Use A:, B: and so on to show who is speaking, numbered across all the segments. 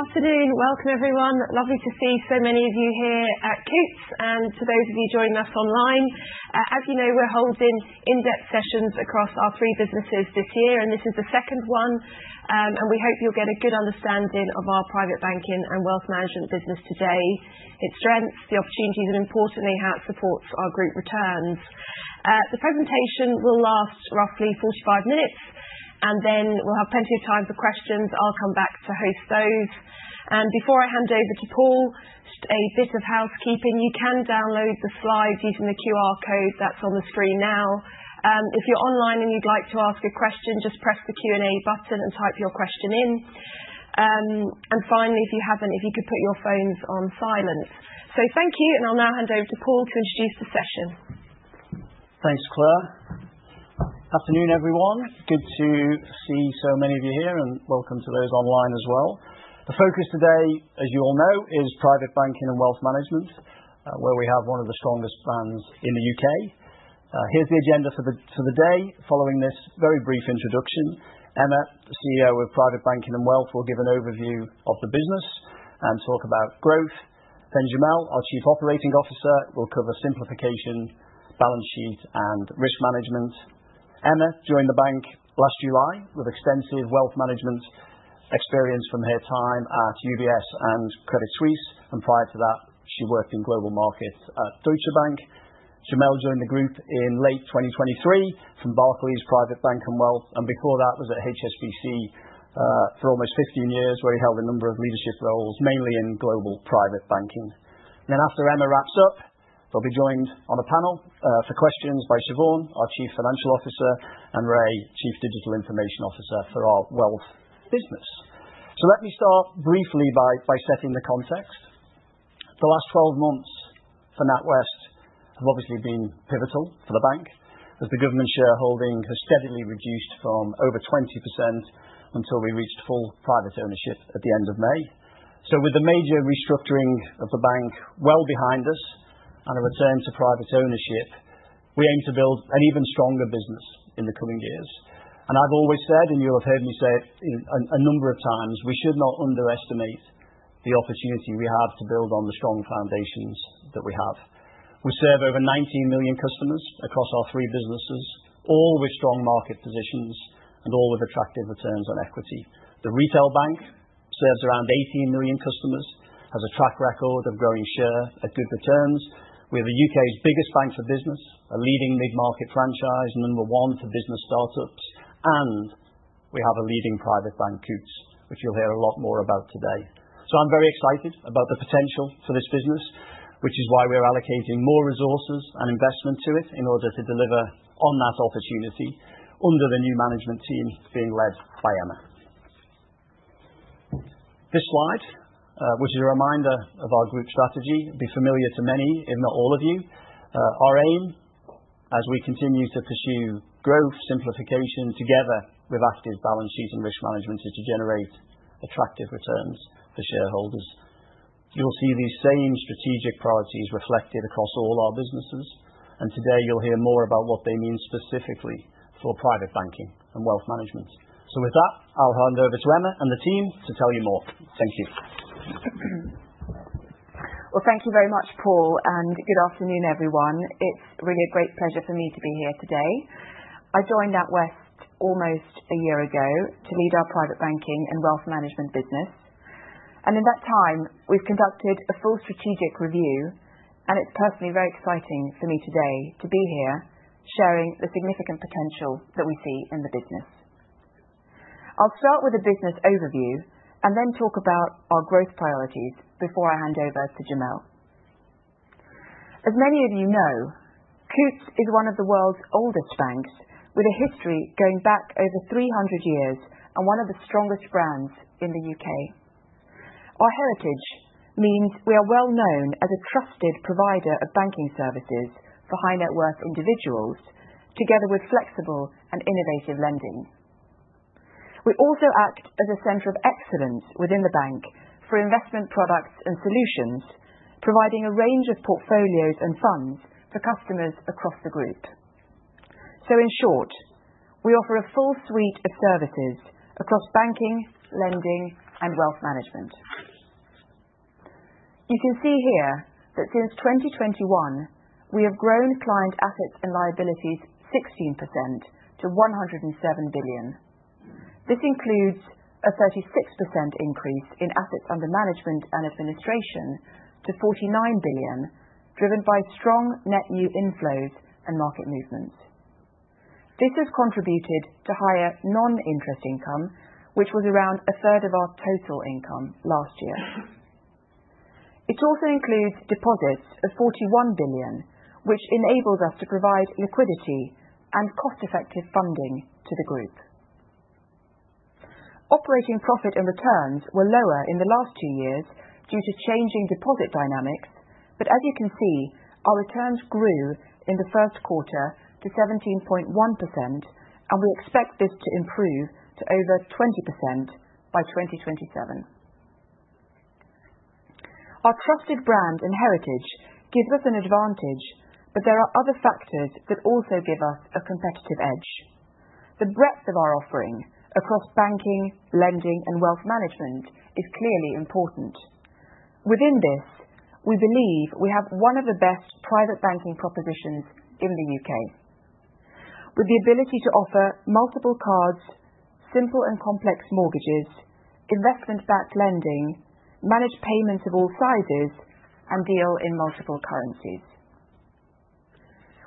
A: Good afternoon. Welcome, everyone. Lovely to see so many of you here at Coutts, and to those of you joining us online. As you know, we're holding in-depth sessions across our three businesses this year, and this is the second one. We hope you'll get a good understanding of our Private Banking and Wealth Management business today, its strengths, the opportunities, and importantly, how it supports our group returns. The presentation will last roughly 45 minutes, and then we'll have plenty of time for questions. I'll come back to host those. Before I hand over to Paul, a bit of housekeeping: you can download the slides using the QR code that's on the screen now. If you're online and you'd like to ask a question, just press the Q&A button and type your question in. Finally, if you haven't, if you could put your phones on silent. Thank you, and I'll now hand over to Paul to introduce the session.
B: Thanks, Claire. Afternoon, everyone. Good to see so many of you here, and welcome to those online as well. The focus today, as you all know, is Private Banking and Wealth Management, where we have one of the strongest brands in the UK Here's the agenda for the day. Following this very brief introduction, Emma, the CEO of Private Banking and Wealth, will give an overview of the business and talk about growth. Then Jamel, our Chief Operating Officer, will cover simplification, balance sheet, and risk management. Emma joined the bank last July with extensive wealth management experience from her time at UBS and Credit Suisse, and prior to that, she worked in global markets at Deutsche Bank. Jamel joined the group in late 2023 from Barclays Private Bank and Wealth, and before that, was at HSBC for almost 15 years, where he held a number of leadership roles, mainly in global private banking. Then, after Emma wraps up, they'll be joined on a panel for questions by Siobhan, our Chief Financial Officer, and Ray, Chief Digital Information Officer for our wealth business. Let me start briefly by setting the context. The last 12 months for NatWest have obviously been pivotal for the bank, as the government shareholding has steadily reduced from over 20% until we reached full private ownership at the end of May. With the major restructuring of the bank well behind us and a return to private ownership, we aim to build an even stronger business in the coming years. I've always said, and you'll have heard me say it a number of times, we should not underestimate the opportunity we have to build on the strong foundations that we have. We serve over 19 million customers across our three businesses, all with strong market positions and all with attractive returns on equity. The retail bank serves around 18 million customers, has a track record of growing share and good returns. We're the UK's biggest bank for business, a leading mid-market franchise, number one for business startups, and we have a leading private bank, Coutts, which you'll hear a lot more about today. I'm very excited about the potential for this business, which is why we're allocating more resources and investment to it in order to deliver on that opportunity under the new management team being led by Emma. This slide, which is a reminder of our group strategy, will be familiar to many, if not all of you. Our aim, as we continue to pursue growth, simplification together with active balance sheet and risk management, is to generate attractive returns for shareholders. You'll see these same strategic priorities reflected across all our businesses, and today you'll hear more about what they mean specifically for Private Banking and Wealth Management. With that, I'll hand over to Emma and the team to tell you more. Thank you.
C: Thank you very much, Paul, and good afternoon, everyone. It's really a great pleasure for me to be here today. I joined NatWest almost a year ago to lead our Private Banking and Wealth Management business. In that time, we've conducted a full strategic review, and it's personally very exciting for me today to be here sharing the significant potential that we see in the business. I'll start with a business overview and then talk about our growth priorities before I hand over to Jamel. As many of you know, Coutts is one of the world's oldest banks, with a history going back over 300 years and one of the strongest brands in the UK. Our heritage means we are well known as a trusted provider of banking services for high-net-worth individuals, together with flexible and innovative lending. We also act as a center of excellence within the bank for investment products and solutions, providing a range of portfolios and funds for customers across the group. In short, we offer a full suite of services across banking, lending, and wealth management. You can see here that since 2021, we have grown client assets and liabilities 16% to 107 billion. This includes a 36% increase in assets under management and administration to 49 billion, driven by strong net new inflows and market movements. This has contributed to higher non-interest income, which was around a third of our total income last year. It also includes deposits of 41 billion, which enables us to provide liquidity and cost-effective funding to the group. Operating profit and returns were lower in the last two years due to changing deposit dynamics, but as you can see, our returns grew in the first quarter to 17.1%, and we expect this to improve to over 20% by 2027. Our trusted brand and heritage gives us an advantage, but there are other factors that also give us a competitive edge. The breadth of our offering across banking, lending, and wealth management is clearly important. Within this, we believe we have one of the best private banking propositions in the UK, with the ability to offer multiple cards, simple and complex mortgages, investment-backed lending, manage payments of all sizes, and deal in multiple currencies.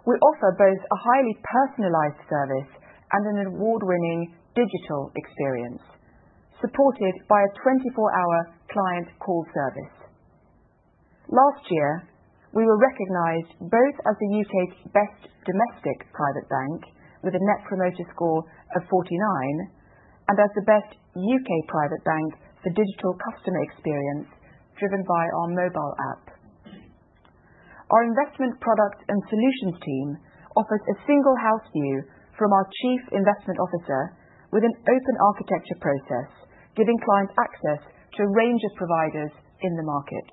C: We offer both a highly personalized service and an award-winning digital experience, supported by a 24-hour client call service. Last year, we were recognized both as the UK's best domestic private bank, with a Net Promoter Score of 49, and as the best UK private bank for digital customer experience, driven by our mobile app. Our investment product and solutions team offers a single house view from our Chief Investment Officer, with an open architecture process, giving clients access to a range of providers in the market.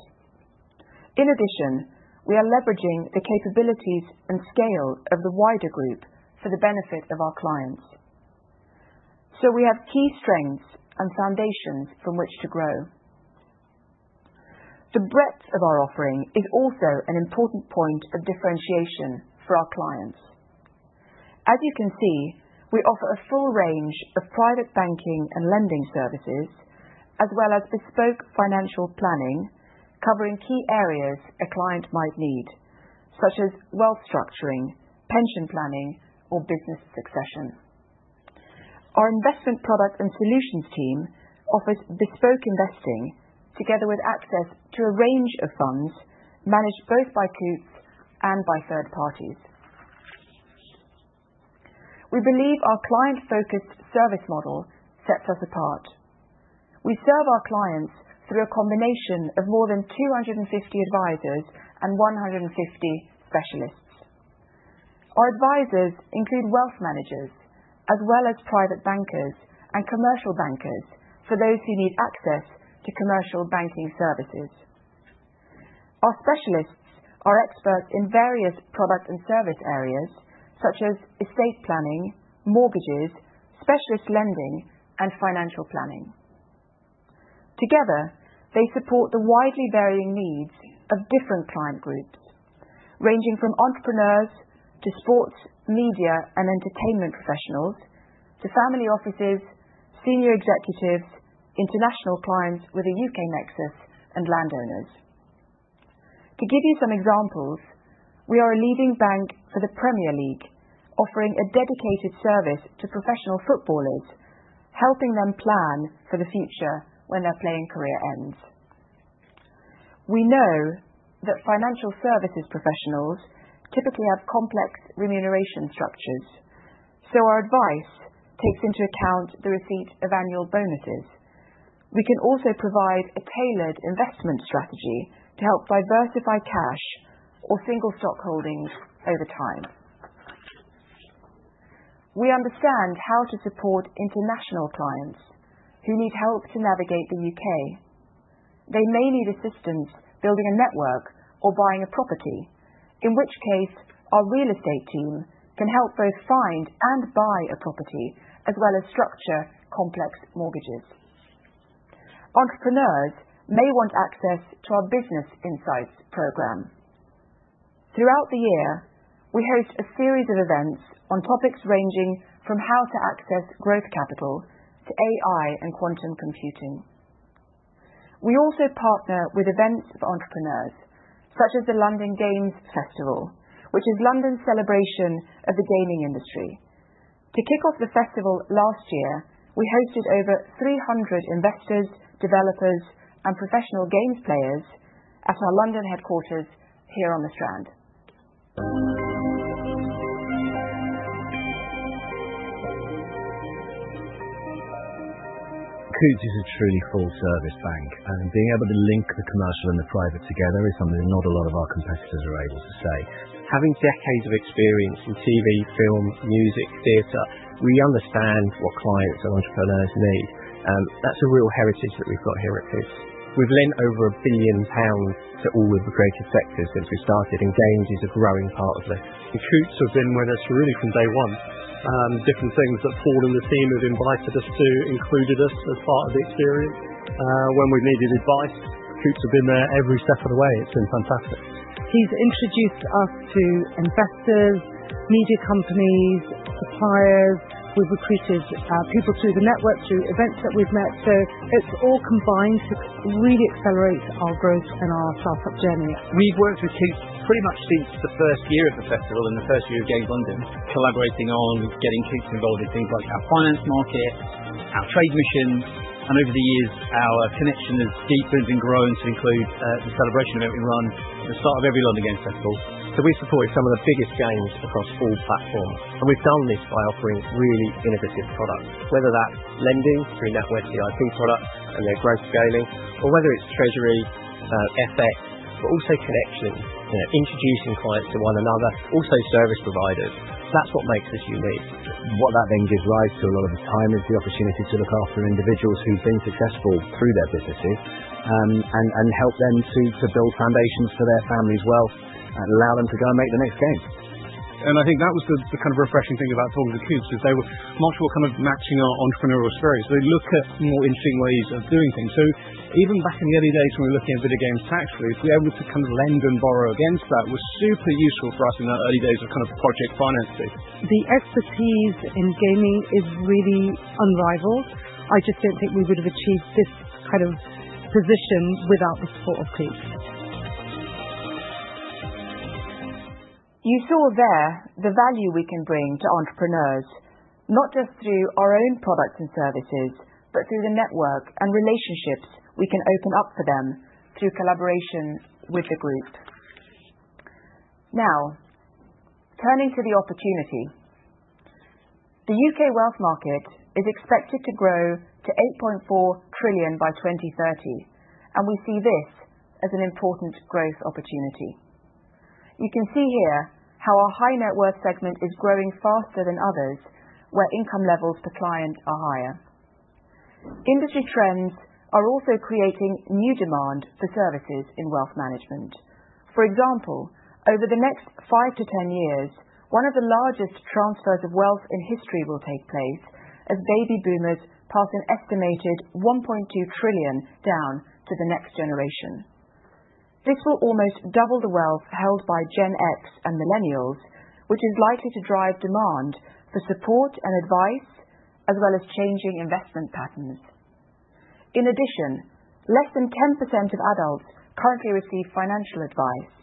C: In addition, we are leveraging the capabilities and scale of the wider group for the benefit of our clients. We have key strengths and foundations from which to grow. The breadth of our offering is also an important point of differentiation for our clients. As you can see, we offer a full range of private banking and lending services, as well as bespoke financial planning, covering key areas a client might need, such as wealth structuring, pension planning, or business succession. Our investment product and solutions team offers bespoke investing, together with access to a range of funds managed both by Coutts and by third parties. We believe our client-focused service model sets us apart. We serve our clients through a combination of more than 250 advisors and 150 specialists. Our advisors include wealth managers, as well as private bankers and commercial bankers for those who need access to commercial banking services. Our specialists are experts in various product and service areas, such as estate planning, mortgages, specialist lending, and financial planning. Together, they support the widely varying needs of different client groups, ranging from entrepreneurs to sports, media, and entertainment professionals to family offices, senior executives, international clients with a UK nexus, and landowners. To give you some examples, we are a leading bank for the Premier League, offering a dedicated service to professional footballers, helping them plan for the future when their playing career ends. We know that financial services professionals typically have complex remuneration structures, so our advice takes into account the receipt of annual bonuses. We can also provide a tailored investment strategy to help diversify cash or single stock holdings over time. We understand how to support international clients who need help to navigate the UK. They may need assistance building a network or buying a property, in which case our real estate team can help both find and buy a property, as well as structure complex mortgages. Entrepreneurs may want access to our Business Insights Programme. Throughout the year, we host a series of events on topics ranging from how to access growth capital to AI and quantum computing. We also partner with events for entrepreneurs, such as the London Games Festival, which is London's celebration of the gaming industry. To kick off the festival last year, we hosted over 300 investors, developers, and professional games players at our London headquarters here on the Strand.
D: Coutts is a truly full-service bank, and being able to link the commercial and the private together is something that not a lot of our competitors are able to say. Having decades of experience in TV, film, music, theater, we understand what clients and entrepreneurs need. That's a real heritage that we've got here at Coutts. We've lent over 1 billion pounds to all of the creative sectors since we started, and games is a growing part of this. Coutts has been with us really from day one. Different things that Paul and the team have invited us to included us as part of the experience. When we've needed advice, Coutts has been there every step of the way. It's been fantastic.
A: He's introduced us to investors, media companies, suppliers. We've recruited people through the network, through events that we've met. It's all combined to really accelerate our growth and our startup journey.
B: We've worked with Coutts pretty much since the first year of the festival and the first year of Games London, collaborating on getting Coutts involved in things like our finance market, our trade mission, and over the years, our connection has deepened and grown to include the celebration event we run at the start of every London Games Festival. We've supported some of the biggest games across all platforms, and we've done this by offering really innovative products, whether that's lending through NatWest's IP products and their growth scaling, or whether it's treasury, FX, but also connections, introducing clients to one another, also service providers. That's what makes us unique. What that then gives rise to a lot of the time is the opportunity to look after individuals who've been successful through their businesses and help them to build foundations for their family's wealth and allow them to go and make the next game.
E: I think that was the kind of refreshing thing about talking to Coutts, is they were much more kind of matching our entrepreneurial spirit. They look at more interesting ways of doing things. Even back in the early days when we were looking at Video Games Tax Relief, to be able to kind of lend and borrow against that was super useful for us in the early days of kind of project financing.
A: The expertise in gaming is really unrivaled. I just don't think we would have achieved this kind of position without the support of Coutts.
C: You saw there the value we can bring to entrepreneurs, not just through our own products and services, but through the network and relationships we can open up for them through collaboration with the group. Now, turning to the opportunity. The UK wealth market is expected to grow to 8.4 trillion by 2030, and we see this as an important growth opportunity. You can see here how our high-net-worth segment is growing faster than others, where income levels per client are higher. Industry trends are also creating new demand for services in wealth management. For example, over the next 5-10 years, one of the largest transfers of wealth in history will take place as baby boomers pass an estimated 1.2 trillion down to the next generation. This will almost double the wealth held by Gen X and millennials, which is likely to drive demand for support and advice, as well as changing investment patterns. In addition, less than 10% of adults currently receive financial advice,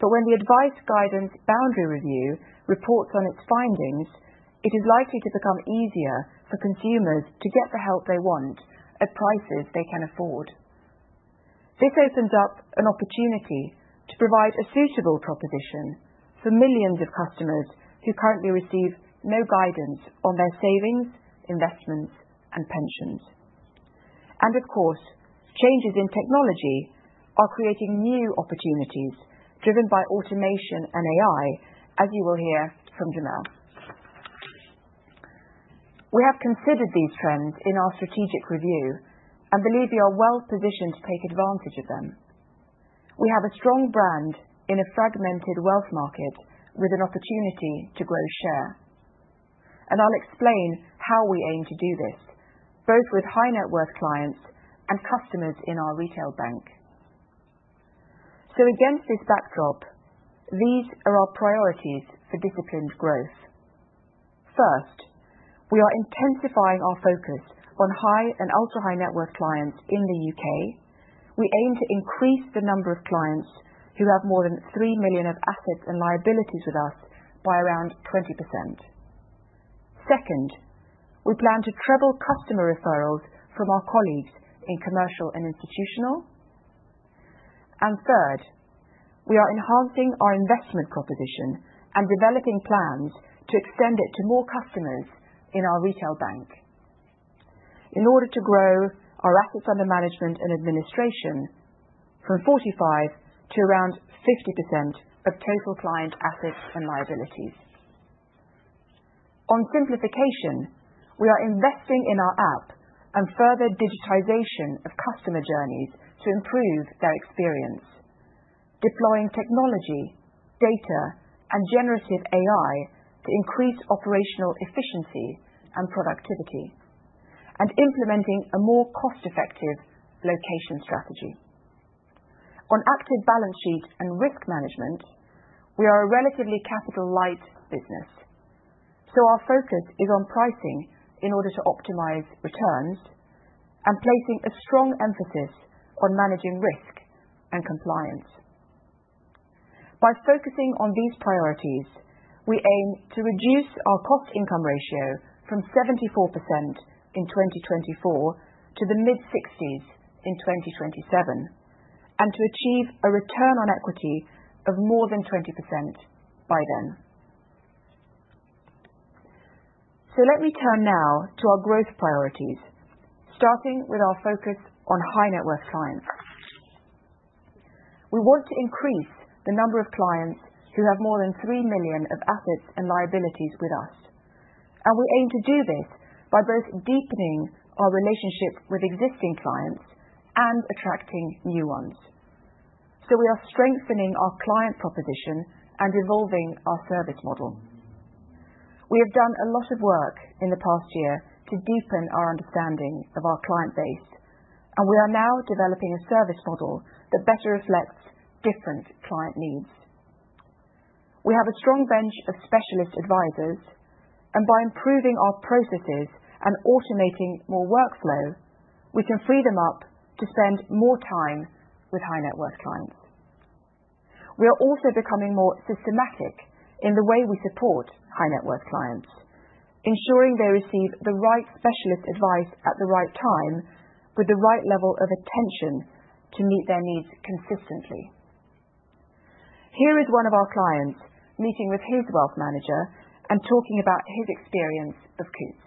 C: but when the Advice Guidance Boundary Review reports on its findings, it is likely to become easier for consumers to get the help they want at prices they can afford. This opens up an opportunity to provide a suitable proposition for millions of customers who currently receive no guidance on their savings, investments, and pensions. Of course, changes in technology are creating new opportunities driven by automation and AI, as you will hear from Jamel. We have considered these trends in our strategic review and believe we are well positioned to take advantage of them. We have a strong brand in a fragmented wealth market with an opportunity to grow share. I'll explain how we aim to do this, both with high-net-worth clients and customers in our retail bank. Against this backdrop, these are our priorities for disciplined growth. First, we are intensifying our focus on high and ultra-high-net-worth clients in the UK. We aim to increase the number of clients who have more than 3 million of assets and liabilities with us by around 20%. Second, we plan to treble customer referrals from our colleagues in Commercial & Institutional. Third, we are enhancing our investment proposition and developing plans to extend it to more customers in our retail bank in order to grow our assets under management and administration from 45% to around 50% of total client assets and liabilities. On simplification, we are investing in our app and further digitization of customer journeys to improve their experience, deploying technology, data, and generative AI to increase operational efficiency and productivity, and implementing a more cost-effective location strategy. On active balance sheet and risk management, we are a relatively capital-light business, so our focus is on pricing in order to optimize returns and placing a strong emphasis on managing risk and compliance. By focusing on these priorities, we aim to reduce our cost-income ratio from 74% in 2024 to the mid-60s in 2027, and to achieve a return on equity of more than 20% by then. Let me turn now to our growth priorities, starting with our focus on high-net-worth clients. We want to increase the number of clients who have more than 3 million of assets and liabilities with us, and we aim to do this by both deepening our relationship with existing clients and attracting new ones. We are strengthening our client proposition and evolving our service model. We have done a lot of work in the past year to deepen our understanding of our client base, and we are now developing a service model that better reflects different client needs. We have a strong bench of specialist advisors, and by improving our processes and automating more workflow, we can free them up to spend more time with high-net-worth clients. We are also becoming more systematic in the way we support high-net-worth clients, ensuring they receive the right specialist advice at the right time with the right level of attention to meet their needs consistently. Here is one of our clients meeting with his wealth manager and talking about his experience of Coutts.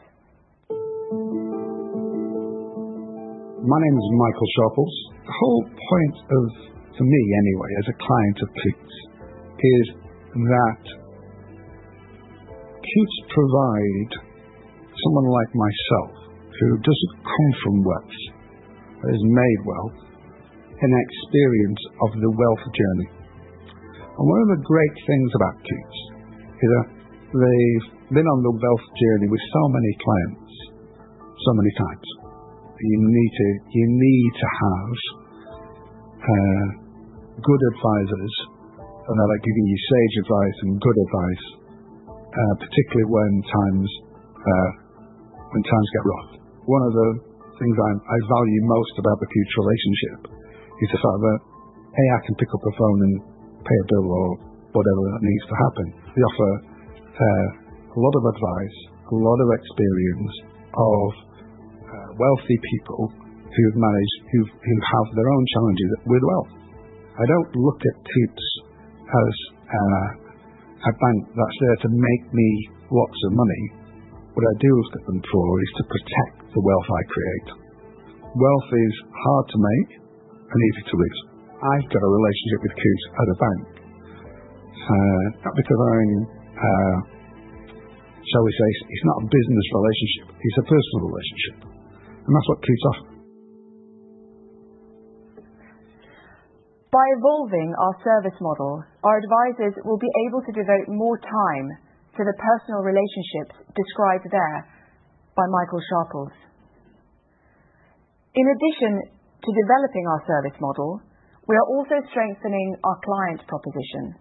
F: My name is Michael Sharples. The whole point for me, anyway, as a client of Coutts, is that Coutts provides someone like myself, who doesn't come from wealth, but has made wealth, an experience of the wealth journey. One of the great things about Coutts is that they've been on the wealth journey with so many clients so many times. You need to have good advisors, and they're like giving you sage advice and good advice, particularly when times get rough. One of the things I value most about the Coutts relationship is the fact that, hey, I can pick up the phone and pay a bill or whatever that needs to happen. We offer a lot of advice, a lot of experience of wealthy people who have their own challenges with wealth. I don't look at Coutts as a bank that's there to make me lots of money. What I do look at them for is to protect the wealth I create. Wealth is hard to make and easy to lose. I've got a relationship with Coutts as a bank, not because I'm, shall we say, it's not a business relationship, it's a personal relationship, and that's what Coutts offers.
C: By evolving our service model, our advisors will be able to devote more time to the personal relationships described there by Michael Sharples. In addition to developing our service model, we are also strengthening our client proposition.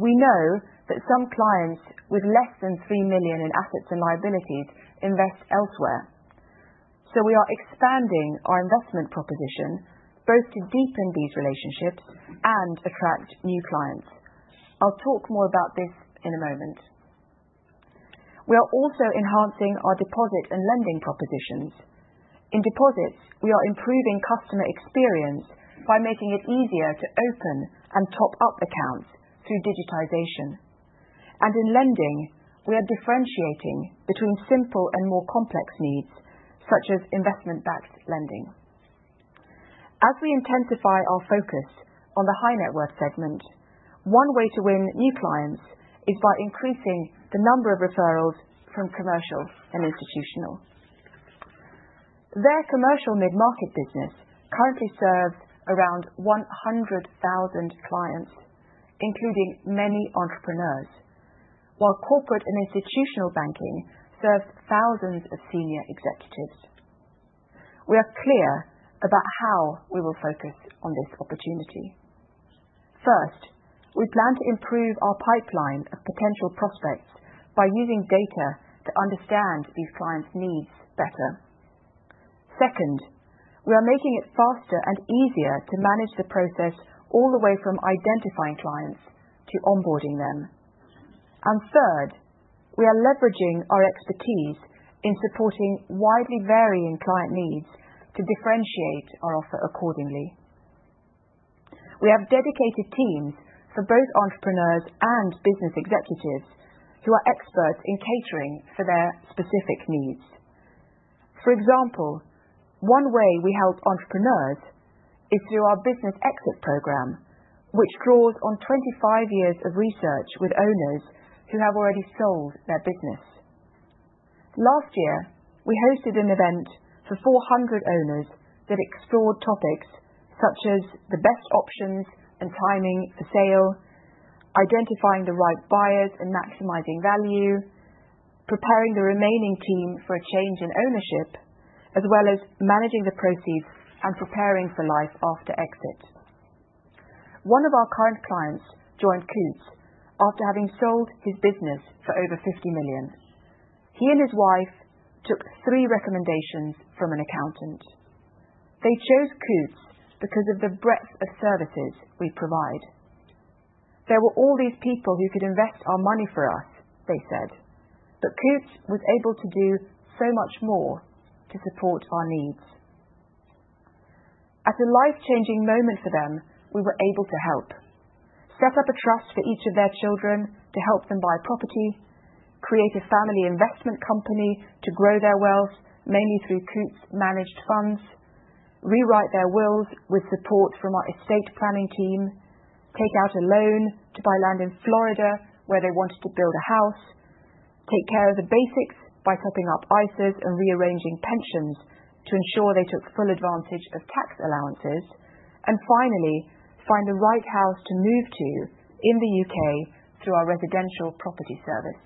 C: We know that some clients with less than three million in assets and liabilities invest elsewhere, so we are expanding our investment proposition both to deepen these relationships and attract new clients. I'll talk more about this in a moment. We are also enhancing our deposit and lending propositions. In deposits, we are improving customer experience by making it easier to open and top-up accounts through digitization. In lending, we are differentiating between simple and more complex needs, such as investment-backed lending. As we intensify our focus on the high-net-worth segment, one way to win new clients is by increasing the number of referrals from Commercial & Institutional. Their commercial mid-market business currently serves around 100,000 clients, including many entrepreneurs, while Corporate and Institutional Banking serves thousands of senior executives. We are clear about how we will focus on this opportunity. First, we plan to improve our pipeline of potential prospects by using data to understand these clients' needs better. Second, we are making it faster and easier to manage the process all the way from identifying clients to onboarding them. Third, we are leveraging our expertise in supporting widely varying client needs to differentiate our offer accordingly. We have dedicated teams for both entrepreneurs and business executives who are experts in catering for their specific needs. For example, one way we help entrepreneurs is through our Business Exit Programme, which draws on 25 years of research with owners who have already sold their business. Last year, we hosted an event for 400 owners that explored topics such as the best options and timing for sale, identifying the right buyers and maximizing value, preparing the remaining team for a change in ownership, as well as managing the proceeds and preparing for life after exit. One of our current clients joined Coutts after having sold his business for over 50 million. He and his wife took three recommendations from an accountant. They chose Coutts because of the breadth of services we provide. There were all these people who could invest our money for us," they said, "but Coutts was able to do so much more to support our needs." At a life-changing moment for them, we were able to help set up a trust for each of their children to help them buy property, create a family investment company to grow their wealth mainly through Coutts' Managed Funds, rewrite their wills with support from our estate planning team, take out a loan to buy land in Florida where they wanted to build a house, take care of the basics by topping up ISAs and rearranging pensions to ensure they took full advantage of tax allowances, and finally, find the right house to move to in the UK through our residential property service.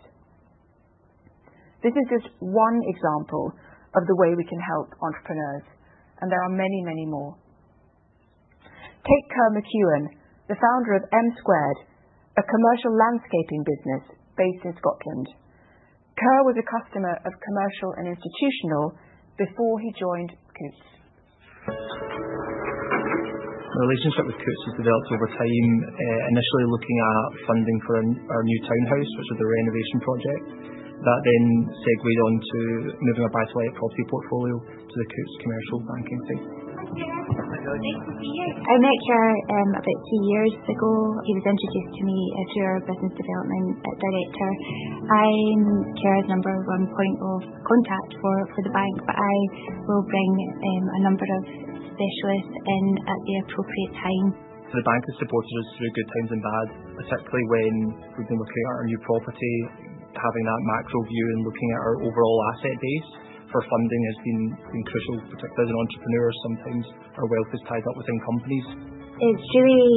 C: This is just one example of the way we can help entrepreneurs, and there are many, many more.
A: Take Kerr McEwan, the founder of M2, a commercial landscaping business based in Scotland. Kerr was a customer of Commercial& Institutional before he joined Coutts.
G: My relationship with Coutts has developed over time, initially looking at funding for our new townhouse, which was a renovation project. That then segued on to moving our buy-to-let property portfolio to the Coutts commercial banking team.
H: Hi, Kerr.
D: Hi, Josh. Nice to see you.
A: I met Kerr about two years ago. He was introduced to me through our business development director. I'm Kerr's number one point of contact for the bank, but I will bring a number of specialists in at the appropriate time.
G: The bank has supported us through good times and bad, particularly when we've been looking at our new property. Having that macro view and looking at our overall asset base for funding has been crucial, particularly as an entrepreneur. Sometimes our wealth is tied up within companies.
A: It's really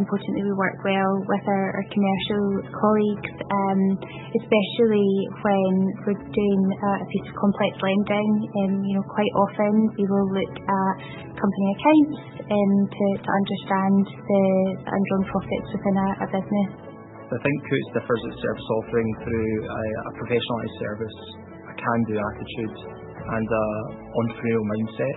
A: important that we work well with our commercial colleagues, especially when we're doing a piece of complex lending. Quite often, we will look at company accounts to understand the underlying profits within our business.
G: I think Coutts differs at service offering through a professionalized service, a can-do attitude, and an entrepreneurial mindset.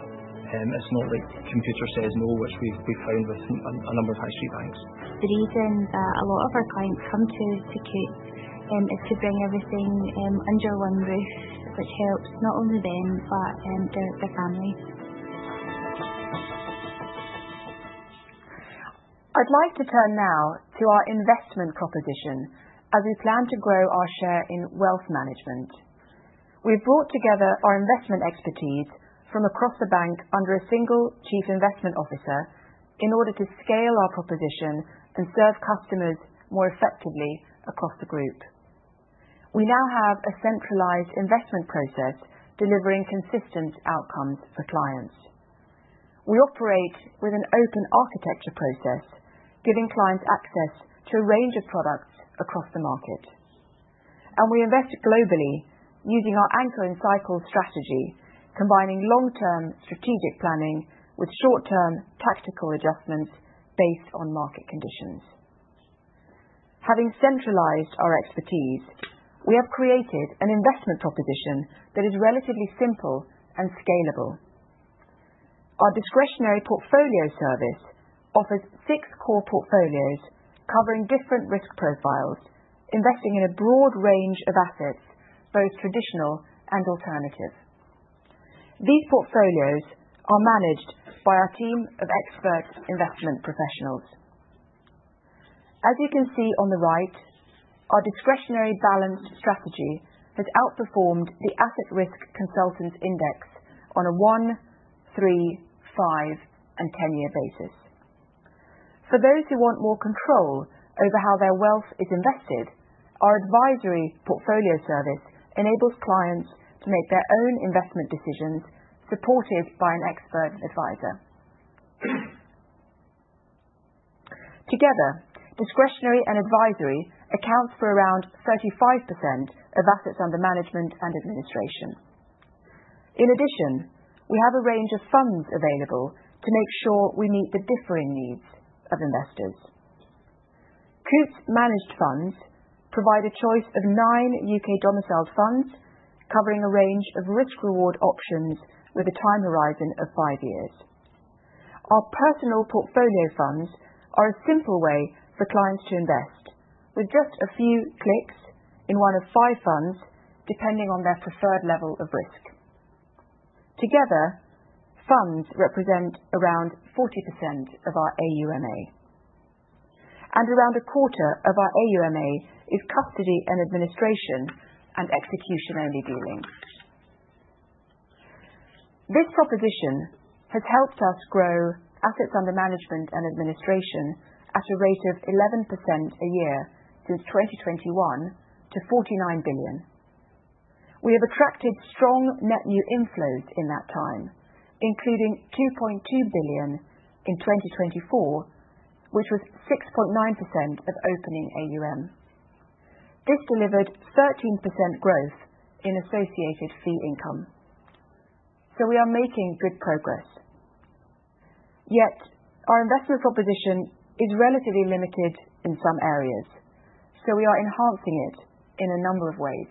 G: It's not like computer says no, which we've found with a number of high-street banks.
A: The reason that a lot of our clients come to Coutts is to bring everything under one roof, which helps not only them but their families.
C: I'd like to turn now to our investment proposition as we plan to grow our share in wealth management. We've brought together our investment expertise from across the bank under a single chief investment officer in order to scale our proposition and serve customers more effectively across the group. We now have a centralized investment process delivering consistent outcomes for clients. We operate with an open architecture process, giving clients access to a range of products across the market. We invest globally using our Anchor and Cycle strategy, combining long-term strategic planning with short-term tactical adjustments based on market conditions. Having centralized our expertise, we have created an investment proposition that is relatively simple and scalable. Our Discretionary Portfolio Service offers six core portfolios covering different risk profiles, investing in a broad range of assets, both traditional and alternative. These portfolios are managed by our team of expert investment professionals. As you can see on the right, our discretionary balanced strategy has outperformed the Asset Risk Consultants index on a one, three, five, and 10-year basis. For those who want more control over how their wealth is invested, our Advisory Portfolio Service enables clients to make their own investment decisions supported by an expert advisor. Together, discretionary and advisory accounts for around 35% of assets under management and administration. In addition, we have a range of funds available to make sure we meet the differing needs of investors. Coutts Managed Funds provide a choice of nine UK domiciled funds covering a range of risk-reward options with a time horizon of five years. Our Personal Portfolio Funds are a simple way for clients to invest with just a few clicks in one of five funds, depending on their preferred level of risk. Together, funds represent around 40% of our AUMA, and around a quarter of our AUMA is custody and administration and execution-only dealing. This proposition has helped us grow assets under management and administration at a rate of 11% a year since 2021 to 49 billion. We have attracted strong net new inflows in that time, including 2.2 billion in 2024, which was 6.9% of opening AUM. This delivered 13% growth in associated fee income. We are making good progress. Yet, our investment proposition is relatively limited in some areas, so we are enhancing it in a number of ways.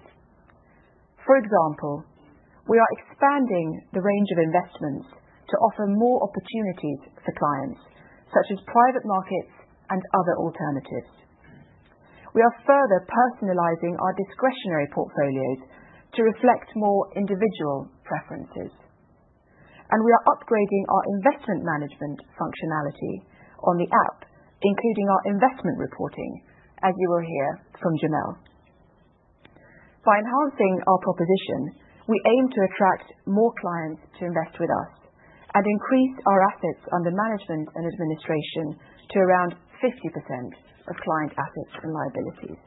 C: For example, we are expanding the range of investments to offer more opportunities for clients, such as private markets and other alternatives. We are further personalizing our discretionary portfolios to reflect more individual preferences. We are upgrading our investment management functionality on the app, including our investment reporting, as you will hear from Jamel. By enhancing our proposition, we aim to attract more clients to invest with us and increase our assets under management and administration to around 50% of client assets and liabilities.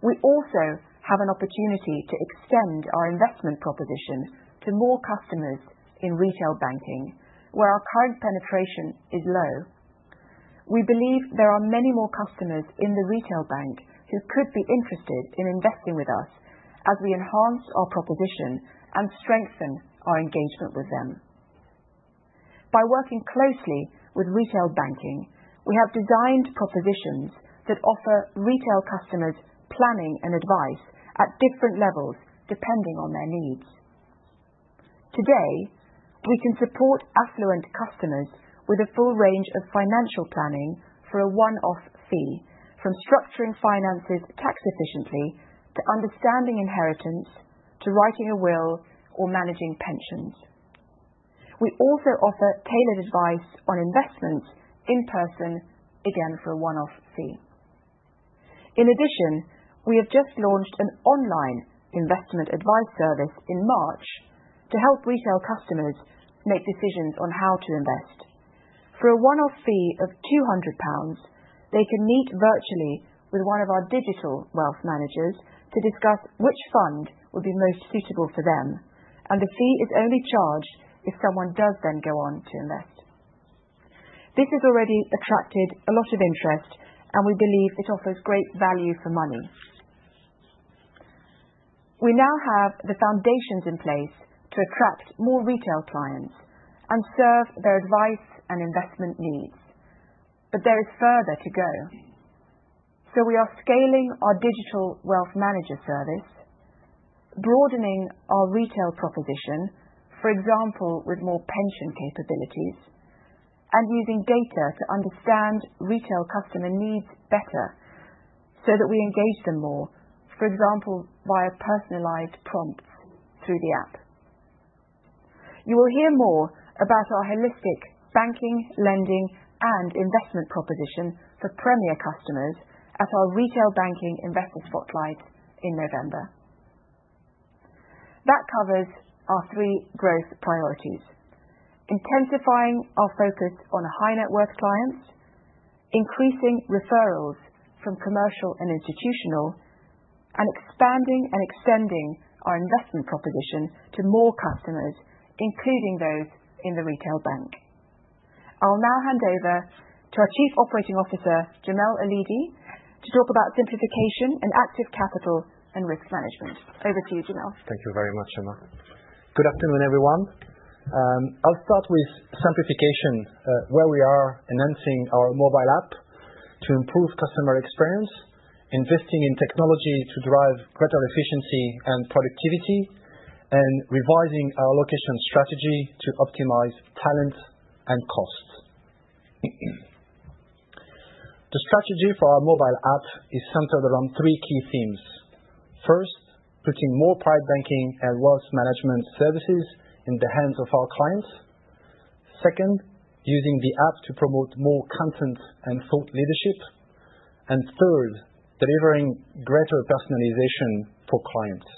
C: We also have an opportunity to extend our investment proposition to more customers in Retail Banking, where our current penetration is low. We believe there are many more customers in the retail bank who could be interested in investing with us as we enhance our proposition and strengthen our engagement with them. By working closely with Retail Banking, we have designed propositions that offer retail customers planning and advice at different levels depending on their needs. Today, we can support affluent customers with a full range of financial planning for a one-off fee, from structuring finances tax efficiently to understanding inheritance to writing a will or managing pensions. We also offer tailored advice on investments in person, again for a one-off fee. In addition, we have just launched an online investment advice service in March to help retail customers make decisions on how to invest. For a one-off fee of 200 pounds, they can meet virtually with one of our digital wealth managers to discuss which fund would be most suitable for them, and the fee is only charged if someone does then go on to invest. This has already attracted a lot of interest, and we believe it offers great value for money. We now have the foundations in place to attract more retail clients and serve their advice and investment needs, but there is further to go. We are scaling our digital wealth manager service, broadening our retail proposition, for example, with more pension capabilities, and using data to understand retail customer needs better so that we engage them more, for example, via personalized prompts through the app. You will hear more about our holistic banking, lending, and investment proposition for Premier customers at our Retail Banking investor spotlight in November. That covers our three growth priorities: intensifying our focus on high-net-worth clients, increasing referrals from Commercial & Institutional, and expanding and extending our investment proposition to more customers, including those in the retail bank. I'll now hand over to our Chief Operating Officer, Jamel Oulidi, to talk about simplification and active capital and risk management. Over to you, Jamel.
E: Thank you very much, Emma. Good afternoon, everyone. I'll start with simplification, where we are enhancing our mobile app to improve customer experience, investing in technology to drive greater efficiency and productivity, and revising our location strategy to optimize talent and costs. The strategy for our mobile app is centered around three key themes. First, putting more Private Banking and Wealth Management services in the hands of our clients. Second, using the app to promote more content and thought leadership. Third, delivering greater personalization for clients.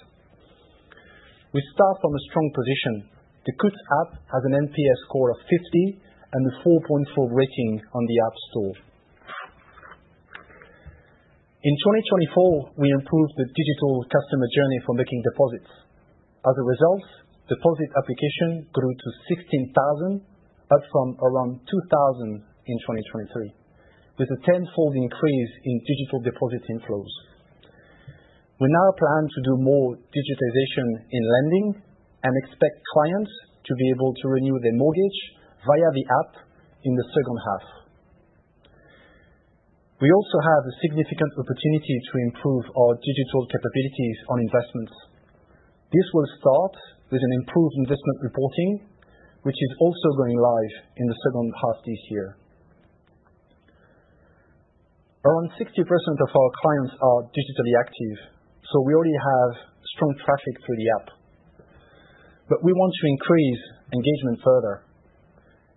E: We start from a strong position. The Coutts app has an NPS score of 50 and a 4.4 rating on the App Store. In 2024, we improved the digital customer journey for making deposits. As a result, deposit application grew to 16,000, up from around 2,000 in 2023, with a tenfold increase in digital deposit inflows. We now plan to do more digitization in lending and expect clients to be able to renew their mortgage via the app in the second half. We also have a significant opportunity to improve our digital capabilities on investments. This will start with an improved investment reporting, which is also going live in the second half this year. Around 60% of our clients are digitally active, so we already have strong traffic through the app, but we want to increase engagement further.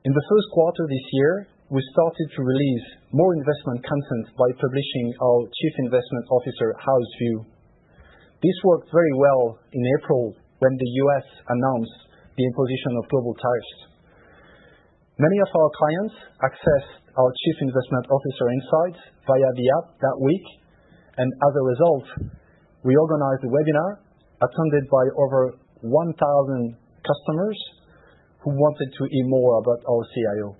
E: In the first quarter this year, we started to release more investment content by publishing our Chief Investment Officer, House View. This worked very well in April when the U.S. announced the imposition of global tariffs. Many of our clients accessed our Chief Investment Officer insights via the app that week, and as a result, we organized a webinar attended by over 1,000 customers who wanted to hear more about our CIO.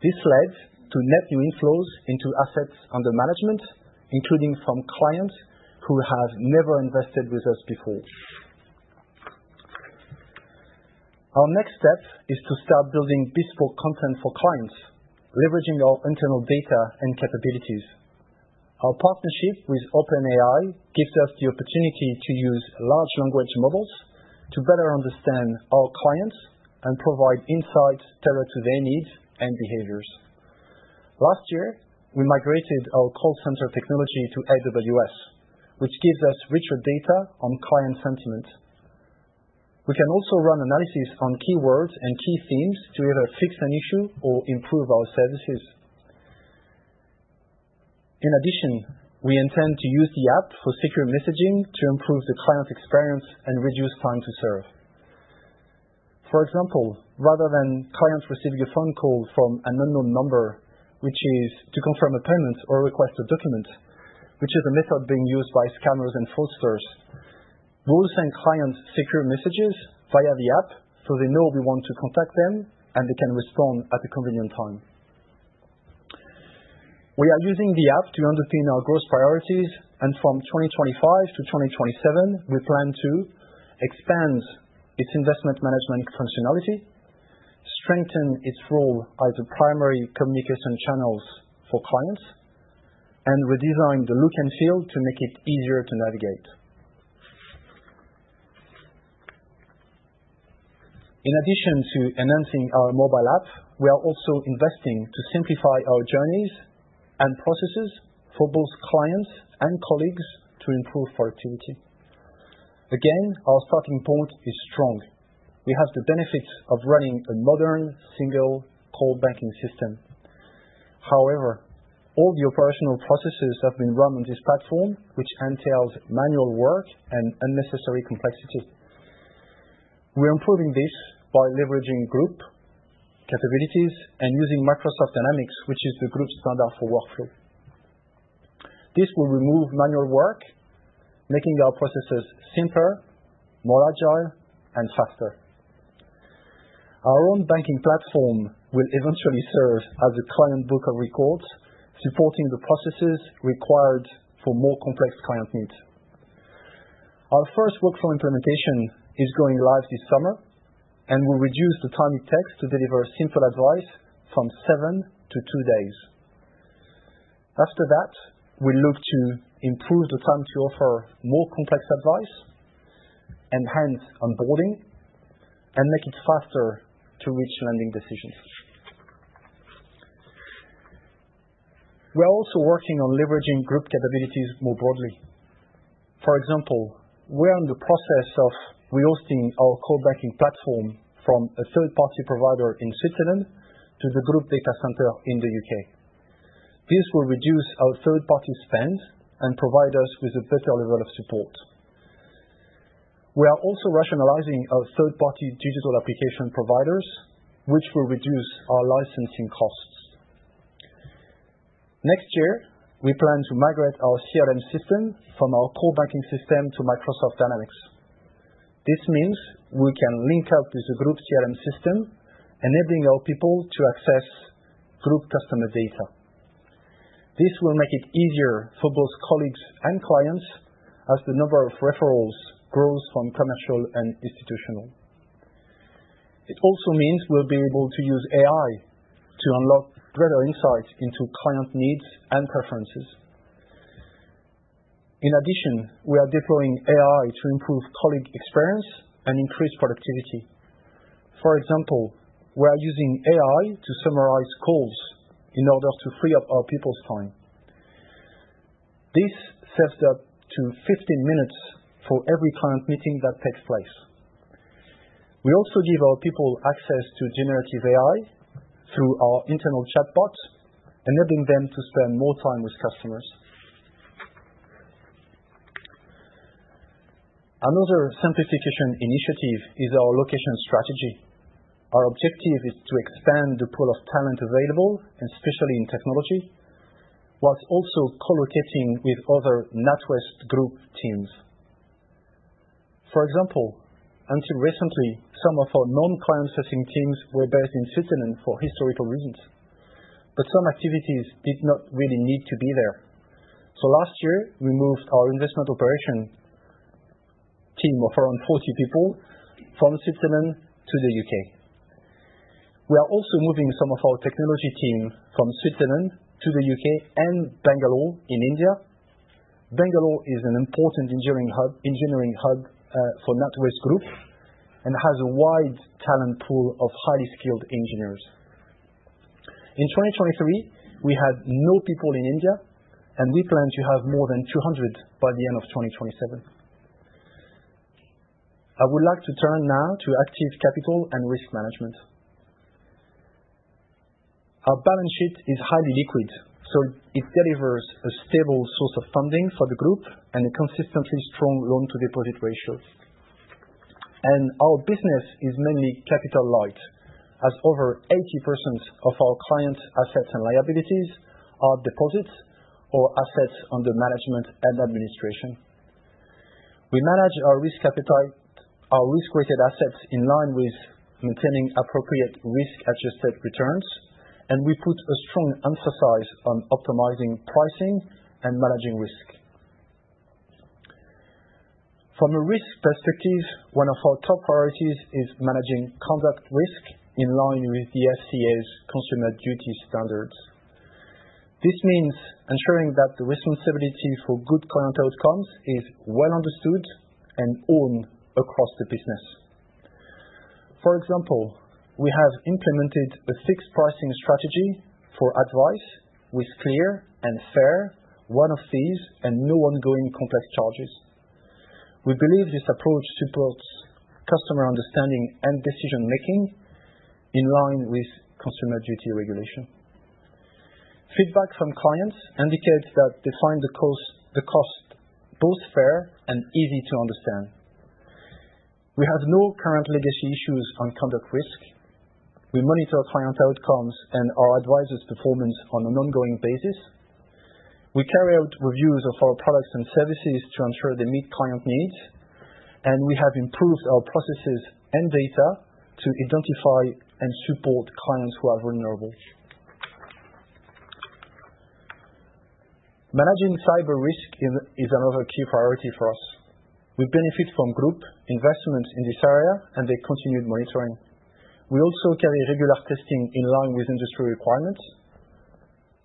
E: This led to net new inflows into assets under management, including from clients who have never invested with us before. Our next step is to start building bespoke content for clients, leveraging our internal data and capabilities. Our partnership with OpenAI gives us the opportunity to use large language models to better understand our clients and provide insights tailored to their needs and behaviors. Last year, we migrated our call center technology to AWS, which gives us richer data on client sentiment. We can also run analysis on keywords and key themes to either fix an issue or improve our services. In addition, we intend to use the app for secure messaging to improve the client experience and reduce time to serve. For example, rather than clients receiving a phone call from an unknown number, which is to confirm a payment or request a document, which is a method being used by scammers and fraudsters, we will send clients secure messages via the app so they know we want to contact them and they can respond at a convenient time. We are using the app to underpin our growth priorities, and from 2025 to 2027, we plan to expand its investment management functionality, strengthen its role as a primary communication channel for clients, and redesign the look and feel to make it easier to navigate. In addition to enhancing our mobile app, we are also investing to simplify our journeys and processes for both clients and colleagues to improve productivity. Again, our starting point is strong. We have the benefits of running a modern single core banking system. However, all the operational processes have been run on this platform, which entails manual work and unnecessary complexity. We are improving this by leveraging group capabilities and using Microsoft Dynamics, which is the group standard for workflow. This will remove manual work, making our processes simpler, more agile, and faster. Our own banking platform will eventually serve as a client book of records supporting the processes required for more complex client needs. Our first workflow implementation is going live this summer, and we will reduce the time it takes to deliver simple advice from seven to two days. After that, we look to improve the time to offer more complex advice and hence onboarding and make it faster to reach lending decisions. We are also working on leveraging group capabilities more broadly. For example, we are in the process of rehosting our core banking platform from a third-party provider in Switzerland to the group data center in the UK This will reduce our third-party spend and provide us with a better level of support. We are also rationalizing our third-party digital application providers, which will reduce our licensing costs. Next year, we plan to migrate our CRM system from our core banking system to Microsoft Dynamics. This means we can link up with the group CRM system, enabling our people to access group customer data. This will make it easier for both colleagues and clients as the number of referrals grows from Commercial & Institutional. It also means we'll be able to use AI to unlock greater insight into client needs and preferences. In addition, we are deploying AI to improve colleague experience and increase productivity. For example, we are using AI to summarize calls in order to free up our people's time. This sets up to 15 minutes for every client meeting that takes place. We also give our people access to generative AI through our internal chatbot, enabling them to spend more time with customers. Another simplification initiative is our location strategy. Our objective is to expand the pool of talent available, especially in technology, whilst also co-locating with other NatWest Group teams. For example, until recently, some of our non-client-facing teams were based in Switzerland for historical reasons, but some activities did not really need to be there. Last year, we moved our investment operation team of around 40 people from Switzerland to the UK. We are also moving some of our technology team from Switzerland to the UK and Bangalore in India. Bangalore is an important engineering hub for NatWest Group and has a wide talent pool of highly skilled engineers. In 2023, we had no people in India, and we plan to have more than 200 by the end of 2027. I would like to turn now to active capital and risk management. Our balance sheet is highly liquid, so it delivers a stable source of funding for the group and a consistently strong loan-to-deposit ratio. Our business is mainly capital light, as over 80% of our client assets and liabilities are deposits or assets under management and administration. We manage our risk-weighted assets in line with maintaining appropriate risk-adjusted returns, and we put a strong emphasis on optimizing pricing and managing risk. From a risk perspective, one of our top priorities is managing conduct risk in line with the FCA's Consumer Duty standards. This means ensuring that the responsibility for good client outcomes is well understood and owned across the business. For example, we have implemented a fixed pricing strategy for advice with clear and fair one-off fees and no ongoing complex charges. We believe this approach supports customer understanding and decision-making in line with Consumer Duty regulation. Feedback from clients indicates that they find the cost both fair and easy to understand. We have no current legacy issues on conduct risk. We monitor client outcomes and our advisors' performance on an ongoing basis. We carry out reviews of our products and services to ensure they meet client needs, and we have improved our processes and data to identify and support clients who are vulnerable. Managing cyber risk is another key priority for us. We benefit from group investments in this area and their continued monitoring. We also carry regular testing in line with industry requirements.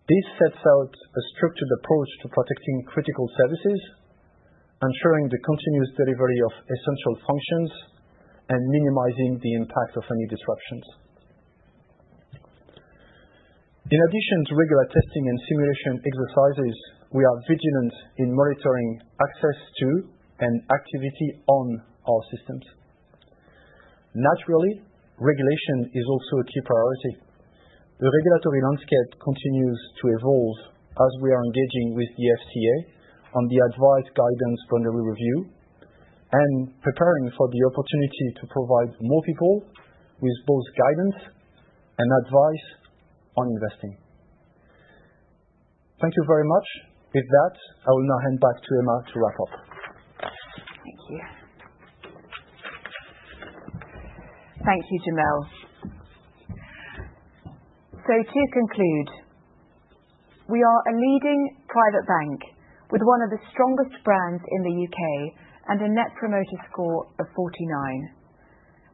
E: This sets out a structured approach to protecting critical services, ensuring the continuous delivery of essential functions, and minimizing the impact of any disruptions. In addition to regular testing and simulation exercises, we are vigilant in monitoring access to and activity on our systems. Naturally, regulation is also a key priority. The regulatory landscape continues to evolve as we are engaging with the FCA on the Advice Guidance Boundary Review and preparing for the opportunity to provide more people with both guidance and advice on investing. Thank you very much. With that, I will now hand back to Emma to wrap up.
C: Thank you. Thank you, Jamel. So, to conclude, we are a leading private bank with one of the strongest brands in the UK and a Net Promoter Score of 49.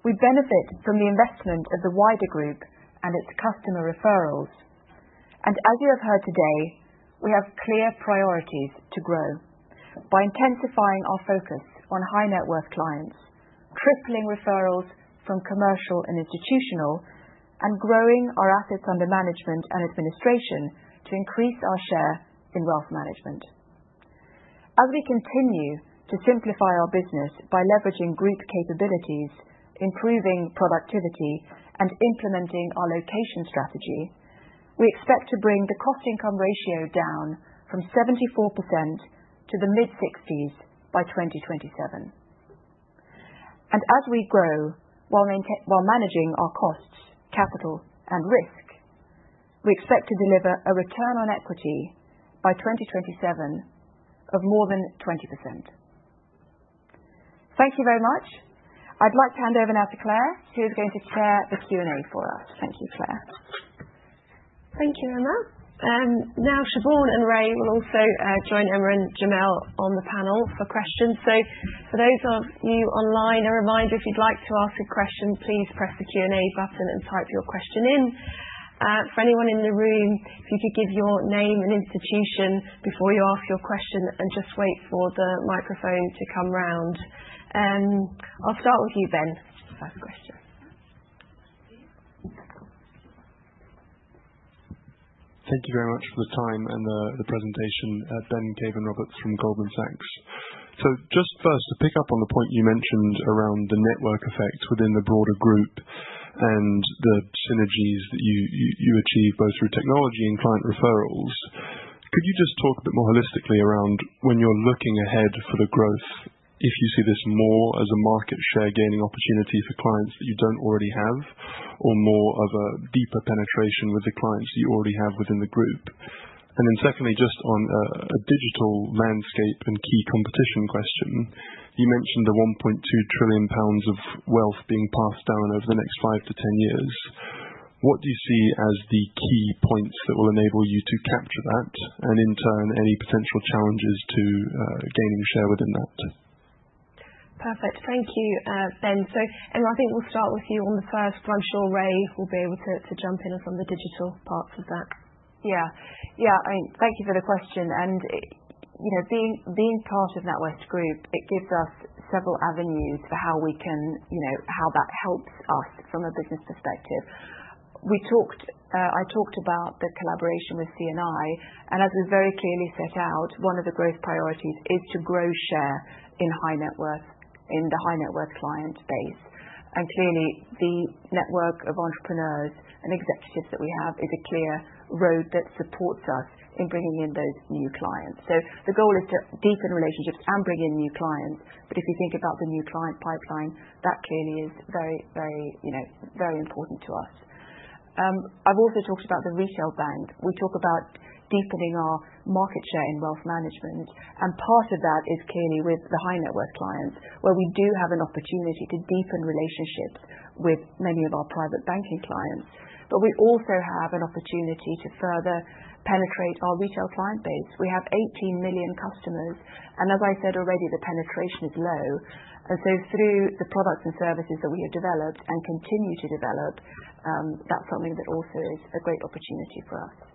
C: We benefit from the investment of the wider Group and its customer referrals. As you have heard today, we have clear priorities to grow by intensifying our focus on high-net-worth clients, tripling referrals from Commercial & Institutional, and growing our assets under management and administration to increase our share in wealth management. As we continue to simplify our business by leveraging group capabilities, improving productivity, and implementing our location strategy, we expect to bring the cost-income ratio down from 74% to the mid-60s by 2027. As we grow while managing our costs, capital, and risk, we expect to deliver a return on equity by 2027 of more than 20%. Thank you very much. I'd like to hand over now to Claire, who is going to chair the Q&A for us. Thank you, Claire.
A: Thank you, Emma. Now, Siobhan and Ray will also join Emma and Jamel on the panel for questions. For those of you online, a reminder, if you'd like to ask a question, please press the Q&A button and type your question in. For anyone in the room, if you could give your name and institution before you ask your question and just wait for the microphone to come round. I'll start with you, Ben, first question.
I: Thank you very much for the time and the presentation, Ben Cavan-Roberts from Goldman Sachs. Just first, to pick up on the point you mentioned around the network effect within the broader group and the synergies that you achieve both through technology and client referrals, could you just talk a bit more holistically around when you're looking ahead for the growth, if you see this more as a market share gaining opportunity for clients that you don't already have or more of a deeper penetration with the clients that you already have within the group? Then secondly, just on a digital landscape and key competition question, you mentioned the 1.2 trillion pounds of wealth being passed down over the next five to ten years. What do you see as the key points that will enable you to capture that and, in turn, any potential challenges to gaining share within that?
A: Perfect. Thank you, Ben. Emma, I think we'll start with you on the first, but I'm sure Ray will be able to jump in on some of the digital parts of that.
C: Yeah, thank you for the question. Being part of NatWest Group, it gives us several avenues for how that helps us from a business perspective. I talked about the collaboration with C&I, and as we've very clearly set out, one of the growth priorities is to grow share in the high-net-worth client base. Clearly, the network of entrepreneurs and executives that we have is a clear road that supports us in bringing in those new clients. The goal is to deepen relationships and bring in new clients, but if you think about the new client pipeline, that clearly is very important to us. I've also talked about the retail bank. We talk about deepening our market share in wealth management, and part of that is clearly with the high-net-worth clients, where we do have an opportunity to deepen relationships with many of our private banking clients, but we also have an opportunity to further penetrate our retail client base. We have 18 million customers, and as I said already, the penetration is low. Through the products and services that we have developed and continue to develop, that's something that also is a great opportunity for us.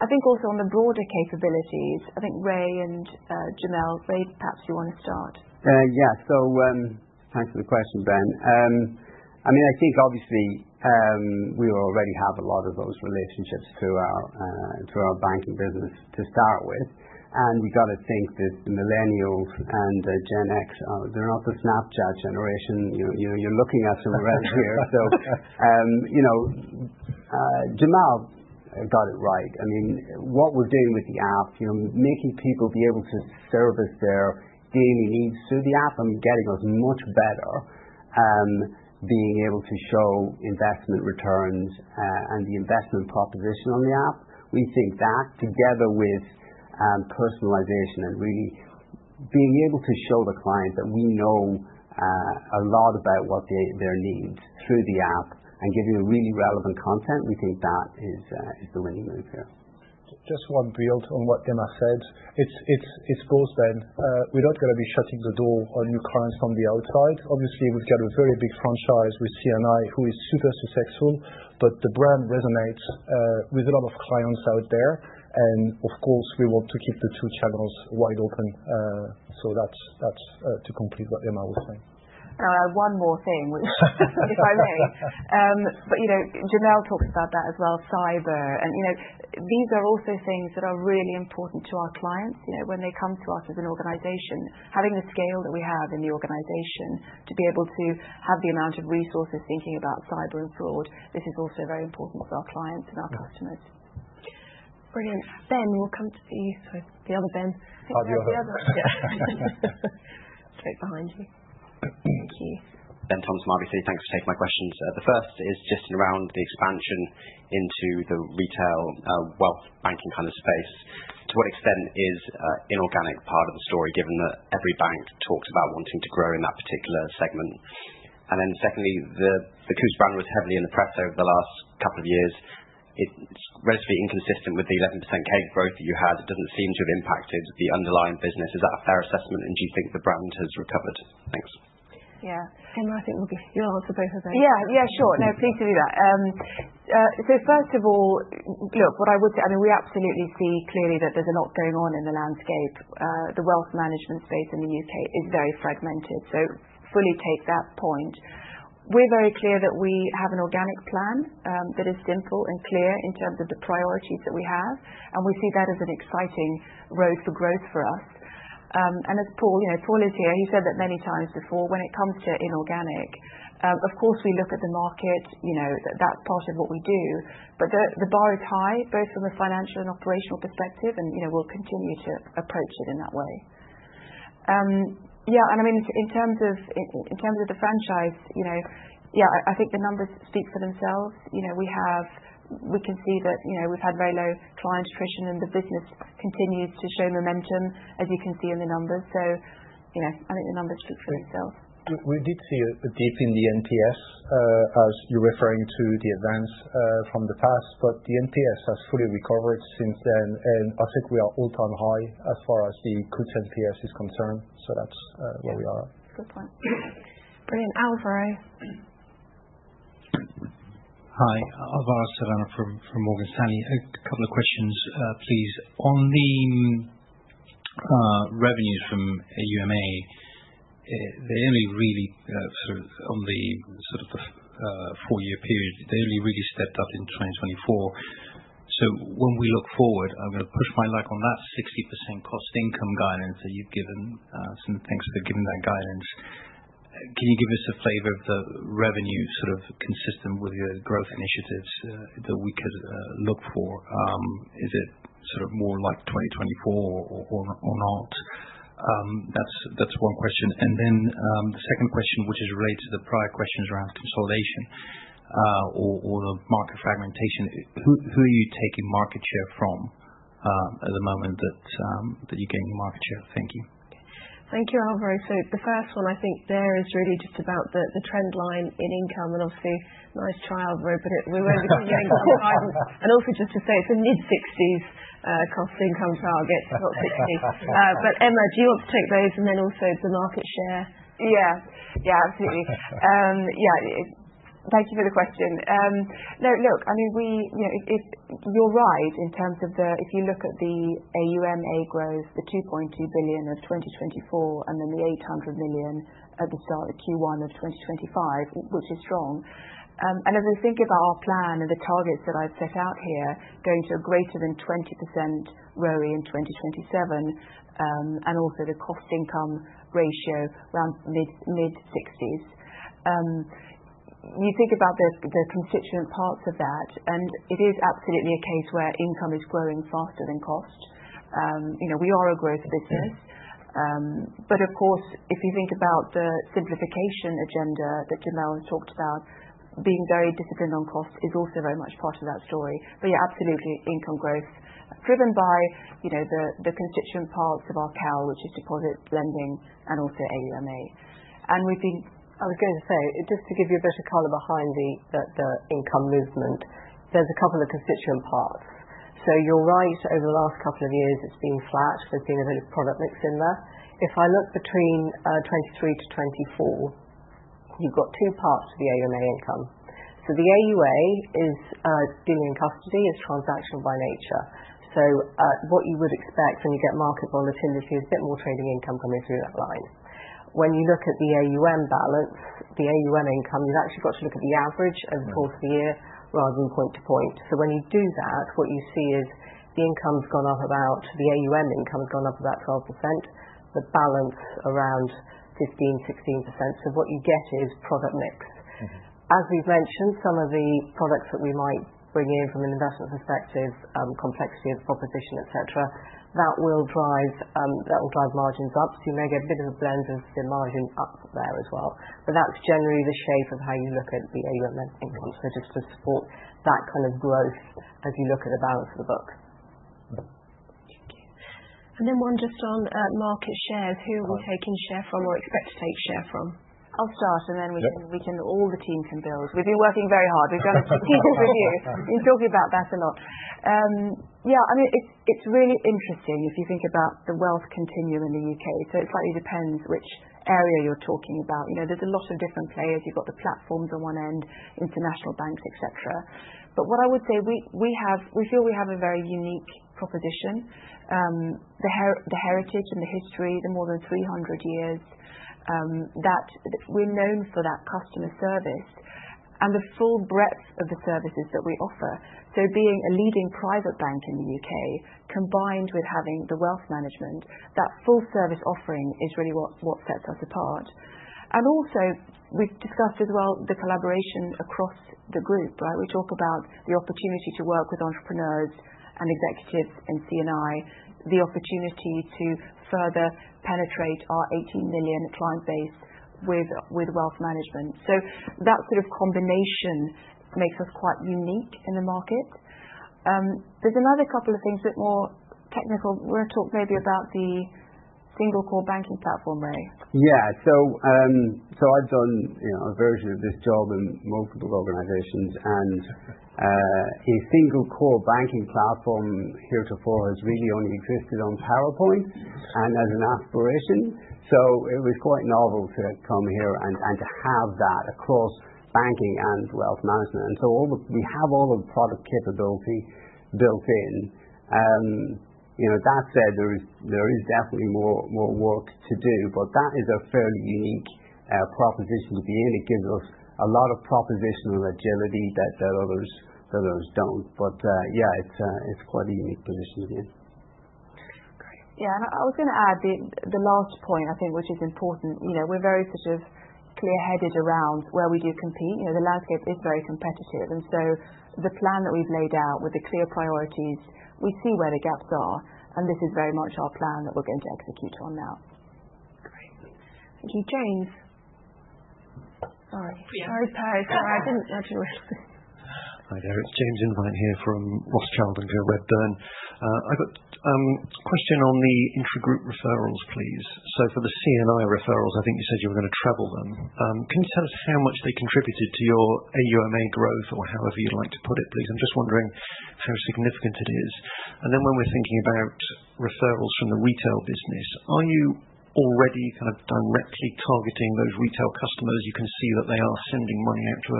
C: I think also on the broader capabilities, I think Ray and Jamel, Ray, perhaps you want to start.
J: Yeah, thanks for the question, Ben. I think obviously we already have a lot of those relationships through our banking business to start with, and we've got to think that the millennials and Gen X, they're not the Snapchat generation. You're looking at us already here. Jamel got it right. What we're doing with the app, making people be able to service their daily needs through the app and getting us much better, being able to show investment returns and the investment proposition on the app, we think that together with personalization and really being able to show the client that we know a lot about their needs through the app and giving really relevant content, we think that is the winning move here.
E: Just to build on what Emma said. It's both, Ben. We're not going to be shutting the door on new clients from the outside. Obviously, we've got a very big franchise with C&I who is super successful, but the brand resonates with a lot of clients out there. Of course, we want to keep the two channels wide open, so that's to complete what Emma was saying.
C: I'll add one more thing, if I may. Jamel talks about that as well, cyber. These are also things that are really important to our clients when they come to us as an organization. Having the scale that we have in the organization to be able to have the amount of resources thinking about cyber and fraud, this is also very important to our clients and our customers.
A: Brilliant. Ben, we'll come to you. Sorry, the other Ben.
E: I'll have the other.
A: Straight behind you. Thank you.
K: Ben Toms from RBC. Thanks for taking my questions.
C: As Paul is here, he said that many times before when it comes to inorganic. Of course, we look at the market. That's part of what we do, but the bar is high both from a financial and operational perspective, and we'll continue to approach it in that way. Yeah, in terms of the franchise, yeah, I think the numbers speak for themselves. We can see that we've had very low client attrition, and the business continues to show momentum, as you can see in the numbers. I think the numbers speak for themselves.
L: We did see a dip in the NPS, as you're referring to the events from the past, but the NPS has fully recovered since then, and I think we are all-time high as far as the Coutts NPS is concerned. That's where we are.
A: Good point. Brilliant. Alvaro.
M: Hi. Alvaro Serrano from Morgan Stanley. A couple of questions, please. On the revenues from AUMA, they only really sort of on the four-year period, they only really stepped up in 2024. When we look forward, I'm going to push my luck on that 60% cost-income guidance that you've given, and thanks for giving that guidance. Can you give us a flavor of the revenue consistent with your growth initiatives that we could look for? Is it more like 2024 or not? That's one question. Then the second question, which is related to the prior questions around consolidation or the market fragmentation, who are you taking market share from at the moment that you're gaining market share? Thank you.
A: Thank you, Alvaro. The first one, I think there is really just about the trend line in income, and obviously, nice try, but we won't be giving you any guidance, and also just to say, it's a mid-60s cost-income target, not 60s, but Emma, do you want to take those and then also the market share?
C: Yeah, yeah, absolutely. Yeah, thank you for the question. No, look, you're right in terms of the if you look at the AUMA growth, the 2.2 billion of 2024, and then the 800 million at the start of Q1 of 2025, which is strong. As we think about our plan and the targets that I've set out here, going to a greater than 20% ROE in 2027, and also the cost-income ratio around mid-60s, you think about the constituent parts of that, and it is absolutely a case where income is growing faster than cost. We are a growth business, but of course, if you think about the simplification agenda that Jamel has talked about, being very disciplined on cost is also very much part of that story. But yeah, absolutely, income growth driven by the constituent parts of our CAL, which is deposit lending and also AUMA. I was going to say, just to give you a bit of color behind the income movement, there's a couple of constituent parts. You're right, over the last couple of years, it's been flat. There's been a bit of product mix in there. If I look between 2023 to 2024, you've got two parts to the AUMA income. The AUA is dealing in custody, is transactional by nature. What you would expect when you get market volatility is a bit more trading income coming through that line. When you look at the AUM balance, the AUM income, you've actually got to look at the average over the course of the year rather than point to point. When you do that, what you see is the income's gone up about the AUM income has gone up about 12%, the balance around 15%, 16%. What you get is product mix. As we've mentioned, some of the products that we might bring in from an investment perspective, complexity of the proposition, etc., that will drive margins up. You may get a bit of a blend of the margin up there as well, but that's generally the shape of how you look at the AUM income just to support that kind of growth as you look at the balance of the book.
A: Thank you. Then one just on market shares. Who are we taking share from or expect to take share from?
C: I'll start, and then we can. All the team can build. We've been working very hard. We've done a few with you. We've been talking about that a lot. Yeah, it's really interesting if you think about the wealth continuum in the UK It slightly depends which area you're talking about. There's a lot of different players. You've got the platforms on one end, international banks, etc. But what I would say, we feel we have a very unique proposition. The heritage and the history, the more than 300 years, that we're known for that customer service and the full breadth of the services that we offer. Being a leading private bank in the UK, combined with having the wealth management, that full service offering is really what sets us apart. Also, we've discussed as well the collaboration across the group. We talk about the opportunity to work with entrepreneurs and executives in C&I, the opportunity to further penetrate our 18 million client base with wealth management. That sort of combination makes us quite unique in the market. There's another couple of things, a bit more technical. We're going to talk maybe about the single core banking platform, Ray.
J: Yeah. I've done a version of this job in multiple organizations, and a single core banking platform heretofore has really only existed on PowerPoint and as an aspiration. It was quite novel to come here and to have that across banking and wealth management. We have all the product capability built in. That said, there is definitely more work to do, but that is a fairly unique proposition to be in. It gives us a lot of propositional agility that others don't. But yeah, it's quite a unique position to be in.
C: Great. Yeah. I was going to add the last point, I think, which is important. We're very clear-headed around where we do compete. The landscape is very competitive, and so the plan that we've laid out with the clear priorities, we see where the gaps are, and this is very much our plan that we're going to execute on now.
A: Great. Thank you, James. Sorry. Sorry, Perry. Sorry, I didn't actually realize.
L: Hi, there. It's James Irvine here from Rothschild & Co and Joe Wedderburn. I've got a question on the intra-group referrals, please. For the C&I referrals, I think you said you were going to treble them. Can you tell us how much they contributed to your AUMA growth or however you'd like to put it, please? I'm just wondering how significant it is. Then when we're thinking about referrals from the retail business, are you already directly targeting those retail customers? You can see that they are sending money out to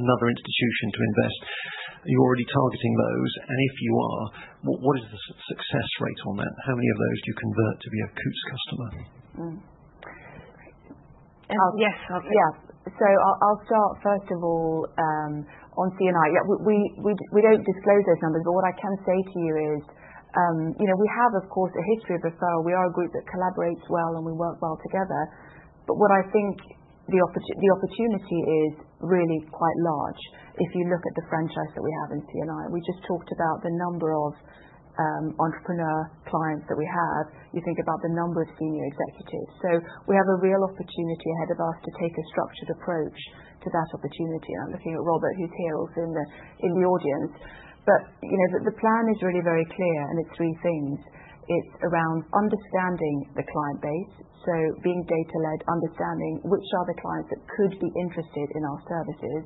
L: another institution to invest. Are you already targeting those? And if you are, what is the success rate on that? How many of those do you convert to be a Coutts customer?
C: Yes. Yeah. I'll start, first of all, on C&I. We don't disclose those numbers, but what I can say to you is we have, of course, a history of referral. We are a group that collaborates well and we work well together. But what I think the opportunity is really quite large if you look at the franchise that we have in C&I. We just talked about the number of entrepreneur clients that we have. You think about the number of senior executives. We have a real opportunity ahead of us to take a structured approach to that opportunity. I'm looking at Robert, who's here also in the audience. But the plan is really very clear, and it's three things. It's around understanding the client base, being data-led, understanding which are the clients that could be interested in our services.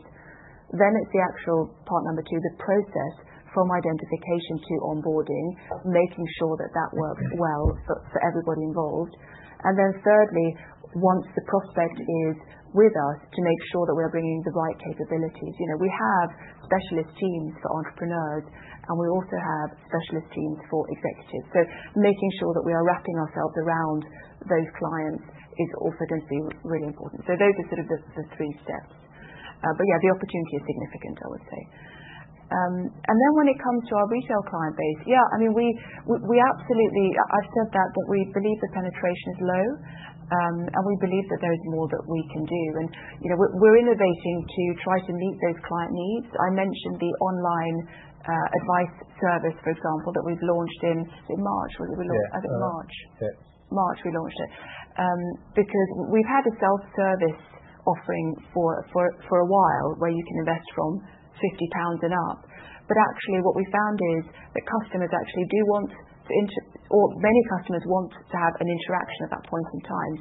C: Then it's the actual part number two, the process from identification to onboarding, making sure that that works well for everybody involved. Then thirdly, once the prospect is with us, to make sure that we're bringing the right capabilities. We have specialist teams for entrepreneurs, and we also have specialist teams for executives. Making sure that we are wrapping ourselves around those clients is also going to be really important. Those are sort of the three steps. But yeah, the opportunity is significant, I would say. Then when it comes to our retail client base, yeah, I've said that we believe the penetration is low, and we believe that there is more that we can do. We're innovating to try to meet those client needs. I mentioned the online advice service, for example, that we've launched in March. Was it March, I think?
L: Yes.
C: March. We launched it because we've had a self-service offering for a while where you can invest from 50 pounds and up. But actually, what we found is that customers actually do want to, or many customers want to have an interaction at that point in time.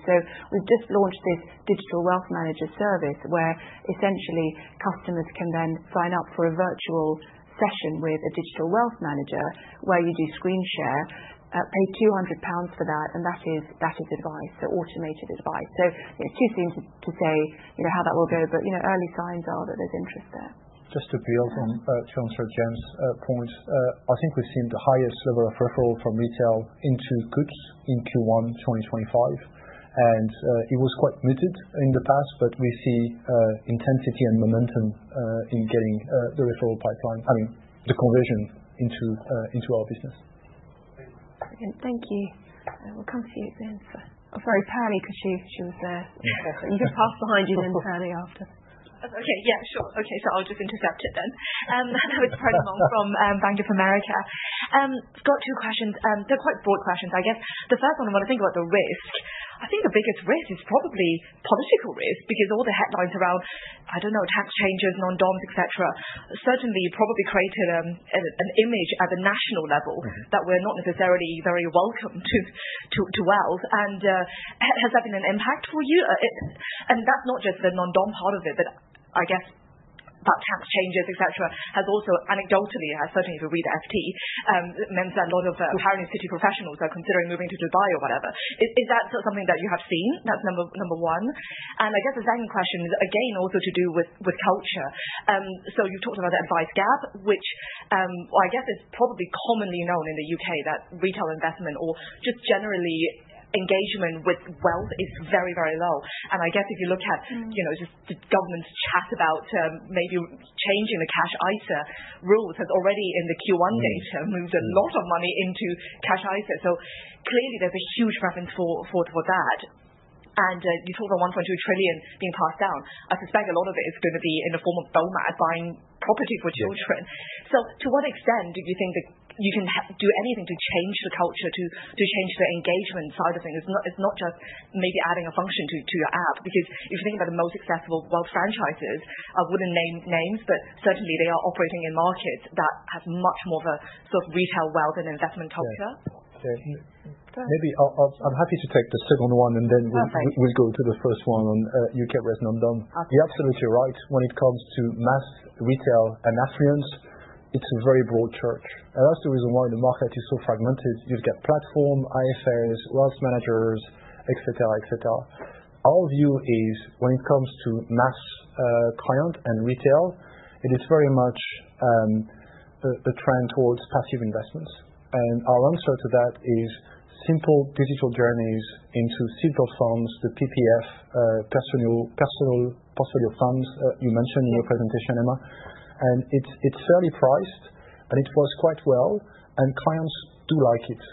C: We've just launched this digital wealth manager service where essentially customers can then sign up for a virtual session with a digital wealth manager where you do screen share, pay 200 pounds for that, and that is advice, automated advice. It's too soon to say how that will go, but early signs are that there's interest there.
E: Just to build on Chancellor James's point, I think we've seen the highest level of referral from retail into Coutts in Q1 2025. It was quite muted in the past, but we see intensity and momentum in getting the referral pipeline, the conversion into our business.
A: Thank you. We'll come to you, but very poorly because she was there. You can pass behind you then fairly after.
N: Okay. Yeah, sure. Okay. I'll just intercept it then. That was Perlie Mong from Bank of America. I've got two questions. They're quite broad questions, I guess. The first one, I want to think about the risk. I think the biggest risk is probably political risk because all the headlines around, I don't know, tax changes, non-doms, etc., certainly probably created an image at the national level that we're not necessarily very welcoming to the wealthy. Has that been an impact for you? And that's not just the non-dom part of it, but I guess about tax changes, etc., has also anecdotally, certainly if you read FT, meant that a lot of high-net-worth City professionals are considering moving to Dubai or whatever. Is that something that you have seen? That's number one. I guess the second question is again also to do with culture. You've talked about the advice gap, which I guess is probably commonly known in the UK that retail investment or just generally engagement with wealth is very, very low. I guess if you look at just the government's chat about maybe changing the cash ISA rules, has already in the Q1 data moved a lot of money into cash ISA. Clearly, there's a huge preference for that. You talked about 1.2 trillion being passed down. I suspect a lot of it is going to be in the form of Bank of Mum and Dad buying property for children. To what extent do you think you can do anything to change the culture, to change the engagement side of things? It's not just maybe adding a function to your app because if you're thinking about the most accessible wealth franchises, I wouldn't name names, but certainly they are operating in markets that have much more of a retail wealth and investment culture.
E: Maybe I'm happy to take the second one, and then we'll go to the first one on NatWest non-dom. You're absolutely right. When it comes to mass retail and affluence, it's a very broad church. That's the reason why the market is so fragmented. You've got platform, IFAs, wealth managers, etc., etc. Our view is when it comes to mass affluent and retail, it is very much a trend towards passive investments. Our answer to that is simple digital journeys into simple funds, the PPF, Personal Portfolio Funds you mentioned in your presentation, Emma. It's fairly priced, and it works quite well, and clients do like it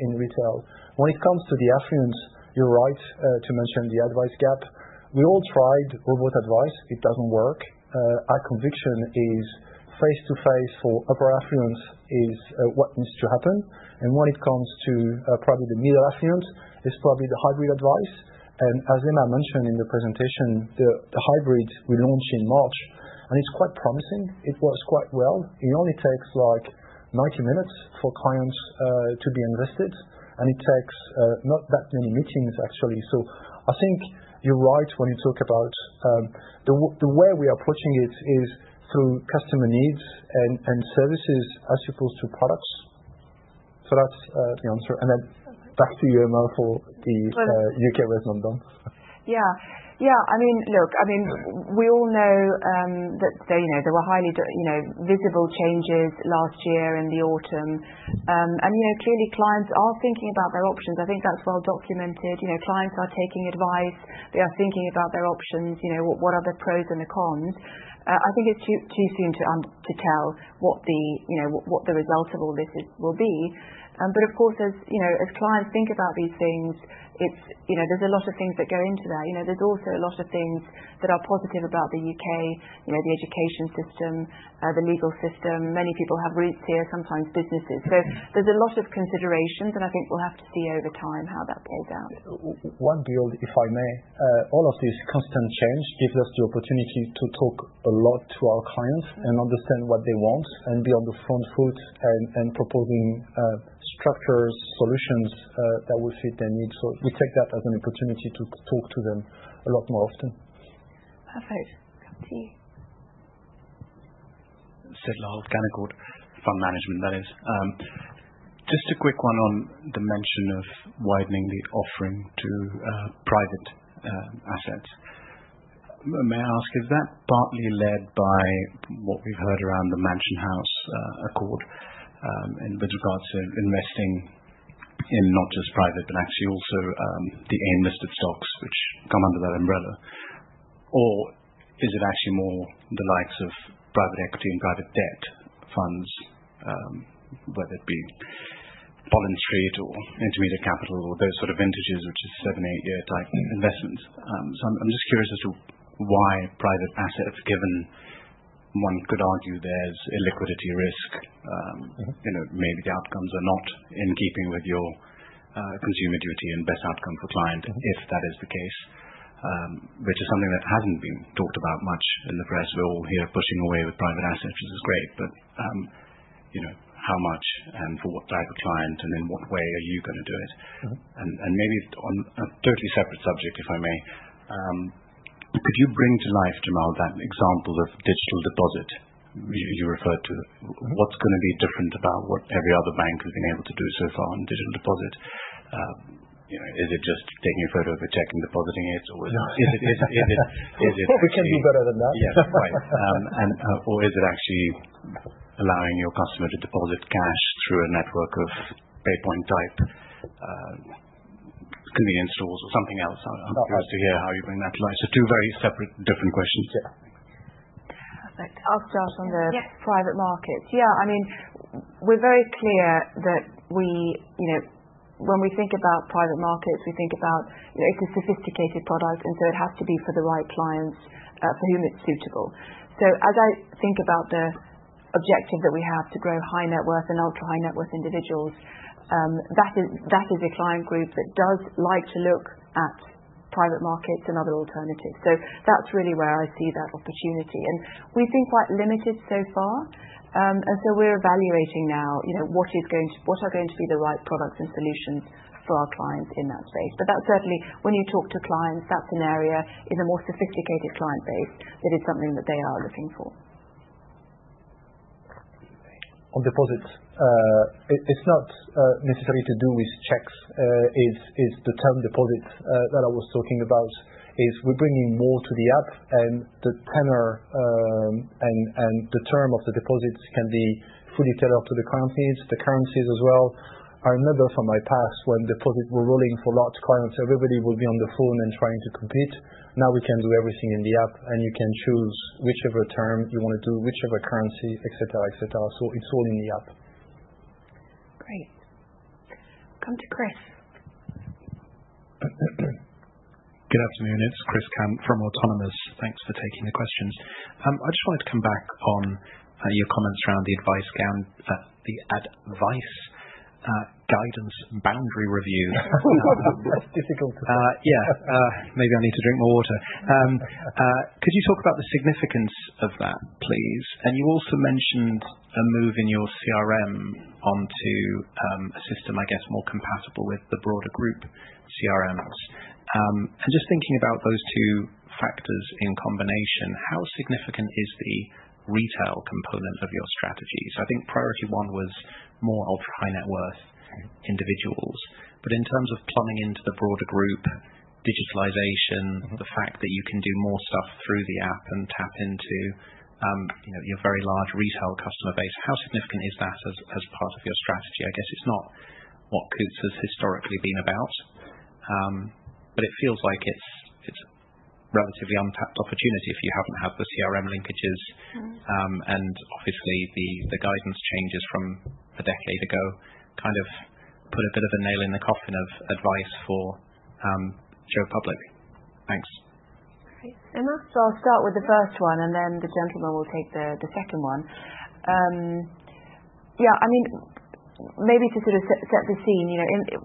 E: in retail. When it comes to the affluence, you're right to mention the advice gap. We all tried robot advice. It doesn't work. Our conviction is face-to-face for upper affluence is what needs to happen. When it comes to probably the middle affluence, it's probably the hybrid advice. As Emma mentioned in the presentation, the hybrid we launched in March, and it's quite promising. It works quite well. It only takes like 90 minutes for clients to be invested, and it takes not that many meetings, actually. I think you're right when you talk about the way we are approaching it is through customer needs and services as opposed to products. That's the answer. Then back to you, Emma, for the NatWest non-dom.
C: Yeah. Yeah. Look, we all know that there were highly visible changes last year in the autumn. Clearly, clients are thinking about their options. I think that's well documented. Clients are taking advice. They are thinking about their options. What are the pros and the cons? I think it's too soon to tell what the result of all this will be. But of course, as clients think about these things, there's a lot of things that go into that. There's also a lot of things that are positive about the UK, the education system, the legal system. Many people have roots here, sometimes businesses. There's a lot of considerations, and I think we'll have to see over time how that plays out.
E: One point, if I may. All of this constant change gives us the opportunity to talk a lot to our clients and understand what they want and be on the front foot and proposing structures, solutions that will fit their needs. We take that as an opportunity to talk to them a lot more often.
A: Perfect. Come to you.
H: Sid Lyle, Canaccord Genuity, that is. Just a quick one on the mention of widening the offering to private assets. May I ask, is that partly led by what we've heard around the Mansion House Accord with regards to investing in not just private, but actually also the AIM-listed stocks which come under that umbrella? Or is it actually more the likes of private equity and private debt funds, whether it be Pollen Street or Intermediate Capital or those sort of vintages, which is seven, eight-year type investments? I'm just curious as to why private assets, given one could argue there's a liquidity risk, maybe the outcomes are not in keeping with your Consumer Duty and best outcome for client if that is the case, which is something that hasn't been talked about much in the press. We're all here pushing away with private assets, which is great, but how much and for what type of client and in what way are you going to do it? Maybe on a totally separate subject, if I may, could you bring to life, Jamel, that example of digital deposit you referred to? What's going to be different about what every other bank has been able to do so far in digital deposit? Is it just taking a photo of it, checking, depositing it?
E: We can be better than that.
H: Yes. Right. Or is it actually allowing your customer to deposit cash through a network of PayPoint-type convenience stores or something else? I'm curious to hear how you bring that to life. So two very separate, different questions.
C: I'll start on the private markets. Yeah. We're very clear that when we think about private markets, we think about it's a sophisticated product, and so it has to be for the right clients for whom it's suitable. As I think about the objective that we have to grow high-net-worth and ultra-high-net-worth individuals, that is a client group that does like to look at private markets and other alternatives. That's really where I see that opportunity. We've been quite limited so far, and so we're evaluating now what are going to be the right products and solutions for our clients in that space. But that's certainly when you talk to clients, that's an area in a more sophisticated client base that is something that they are looking for.
E: On deposits, it's not necessarily to do with checks. It's the term deposits that I was talking about. We're bringing more to the app, and the tenor and the term of the deposits can be fully tailored to the client's needs. The currencies as well. I remember from my past when deposits were rolling for large clients, everybody would be on the phone and trying to compete. Now we can do everything in the app, and you can choose whichever term you want to do, whichever currency, etc., etc. It's all in the app.
A: Great. Come to Chris.
O: Good afternoon. It's Chris Cant from Autonomous Research. Thanks for taking the questions. I just wanted to come back on your comments around the advice gap, the Advice Guidance Boundary Review.
E: That's difficult to say.
O: Yeah. Maybe I need to drink more water. Could you talk about the significance of that, please? You also mentioned a move in your CRM onto a system more compatible with the broader group CRMs. Just thinking about those two factors in combination, how significant is the retail component of your strategy? I think priority one was more ultra-high net worth individuals. But in terms of plumbing into the broader group, digitalization, the fact that you can do more stuff through the app and tap into your very large retail customer base, how significant is that as part of your strategy? I guess it's not what Coutts has historically been about, but it feels like it's a relatively untapped opportunity if you haven't had the CRM linkages. Obviously, the guidance changes from a decade ago kind of put a bit of a nail in the coffin of advice for Joe Public. Thanks.
A: Emma?
C: I'll start with the first one, and then the gentleman will take the second one. Yeah. Maybe to set the scene,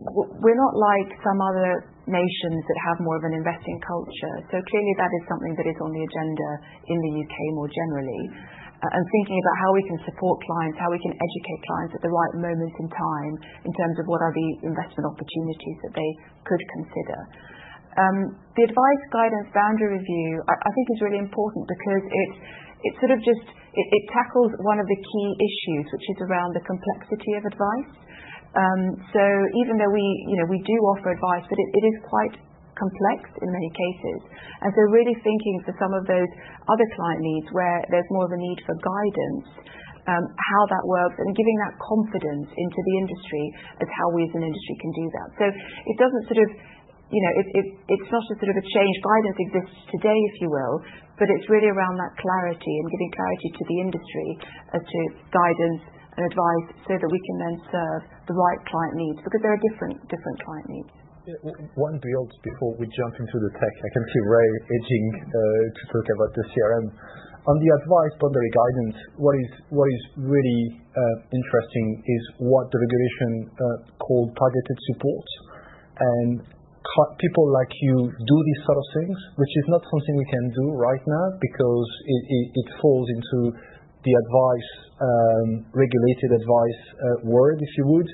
C: we're not like some other nations that have more of an investing culture. Clearly, that is something that is on the agenda in the UK more generally. Thinking about how we can support clients, how we can educate clients at the right moment in time in terms of what are the investment opportunities that they could consider. The Advice Guidance Boundary Review, I think, is really important because it tackles one of the key issues, which is around the complexity of advice. Even though we do offer advice, it is quite complex in many cases. Really thinking for some of those other client needs where there's more of a need for guidance, how that works, and giving that confidence into the industry as how we as an industry can do that. It doesn't sort of, it's not a sort of a change. Guidance exists today, if you will, but it's really around that clarity and giving clarity to the industry as to guidance and advice so that we can then serve the right client needs because there are different client needs.
E: One build before we jump into the tech. I can see Ray itching to talk about the CRM. On the advice guidance boundary, what is really interesting is what the regulation called targeted supports. People like you do these sort of things, which is not something we can do right now because it falls into the regulated advice world, if you would.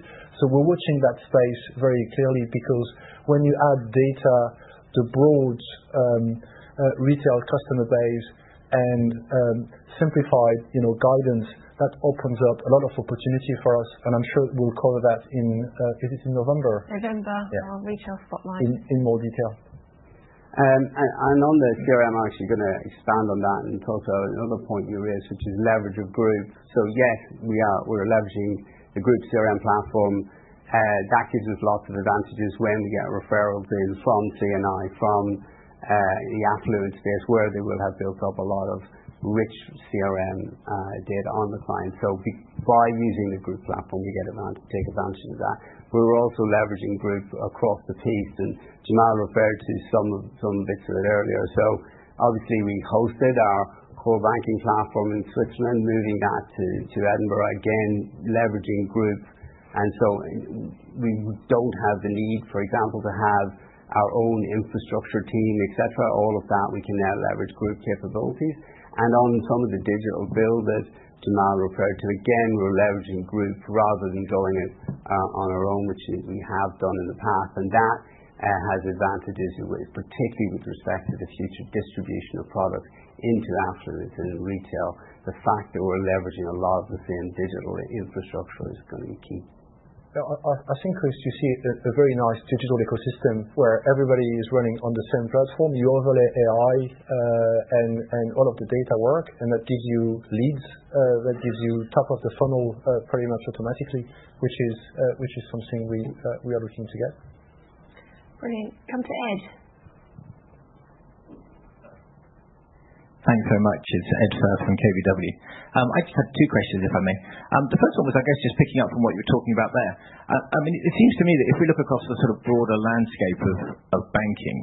E: We're watching that space very clearly because when you add data, the broad retail customer base and simplified guidance, that opens up a lot of opportunity for us. I'm sure we'll cover that in, is it in November?
A: November, our retail spotlight.
E: In more detail.
J: And on the CRM, I'm actually going to expand on that and talk about another point you raised, which is leverage of group. Yes, we are leveraging the group CRM platform. That gives us lots of advantages when we get referrals in from C&I, from the affluent space where they will have built up a lot of rich CRM data on the client. By using the group platform, we take advantage of that. We're also leveraging group across the piece. Jamel referred to some bits of it earlier. Obviously, we hosted our core banking platform in Switzerland, moving that to Edinburgh, again leveraging group. We don't have the need, for example, to have our own infrastructure team, etc. All of that, we can now leverage group capabilities. On some of the digital build that Jamel referred to, again, we're leveraging group rather than going on our own, which we have done in the past. That has advantages, particularly with respect to the future distribution of products into affluent and retail. The fact that we're leveraging a lot of the same digital infrastructure is going to be key.
E: I think, Chris, you see a very nice digital ecosystem where everybody is running on the same platform. You overlay AI and all of the data work, and that gives you leads, that gives you top of the funnel pretty much automatically, which is something we are looking to get.
A: Brilliant. Come to Ed.
P: Thanks very much. It's Ed Firth from KBW. I just had two questions, if I may. The first one was, I guess, just picking up from what you were talking about there. It seems to me that if we look across the sort of broader landscape of banking,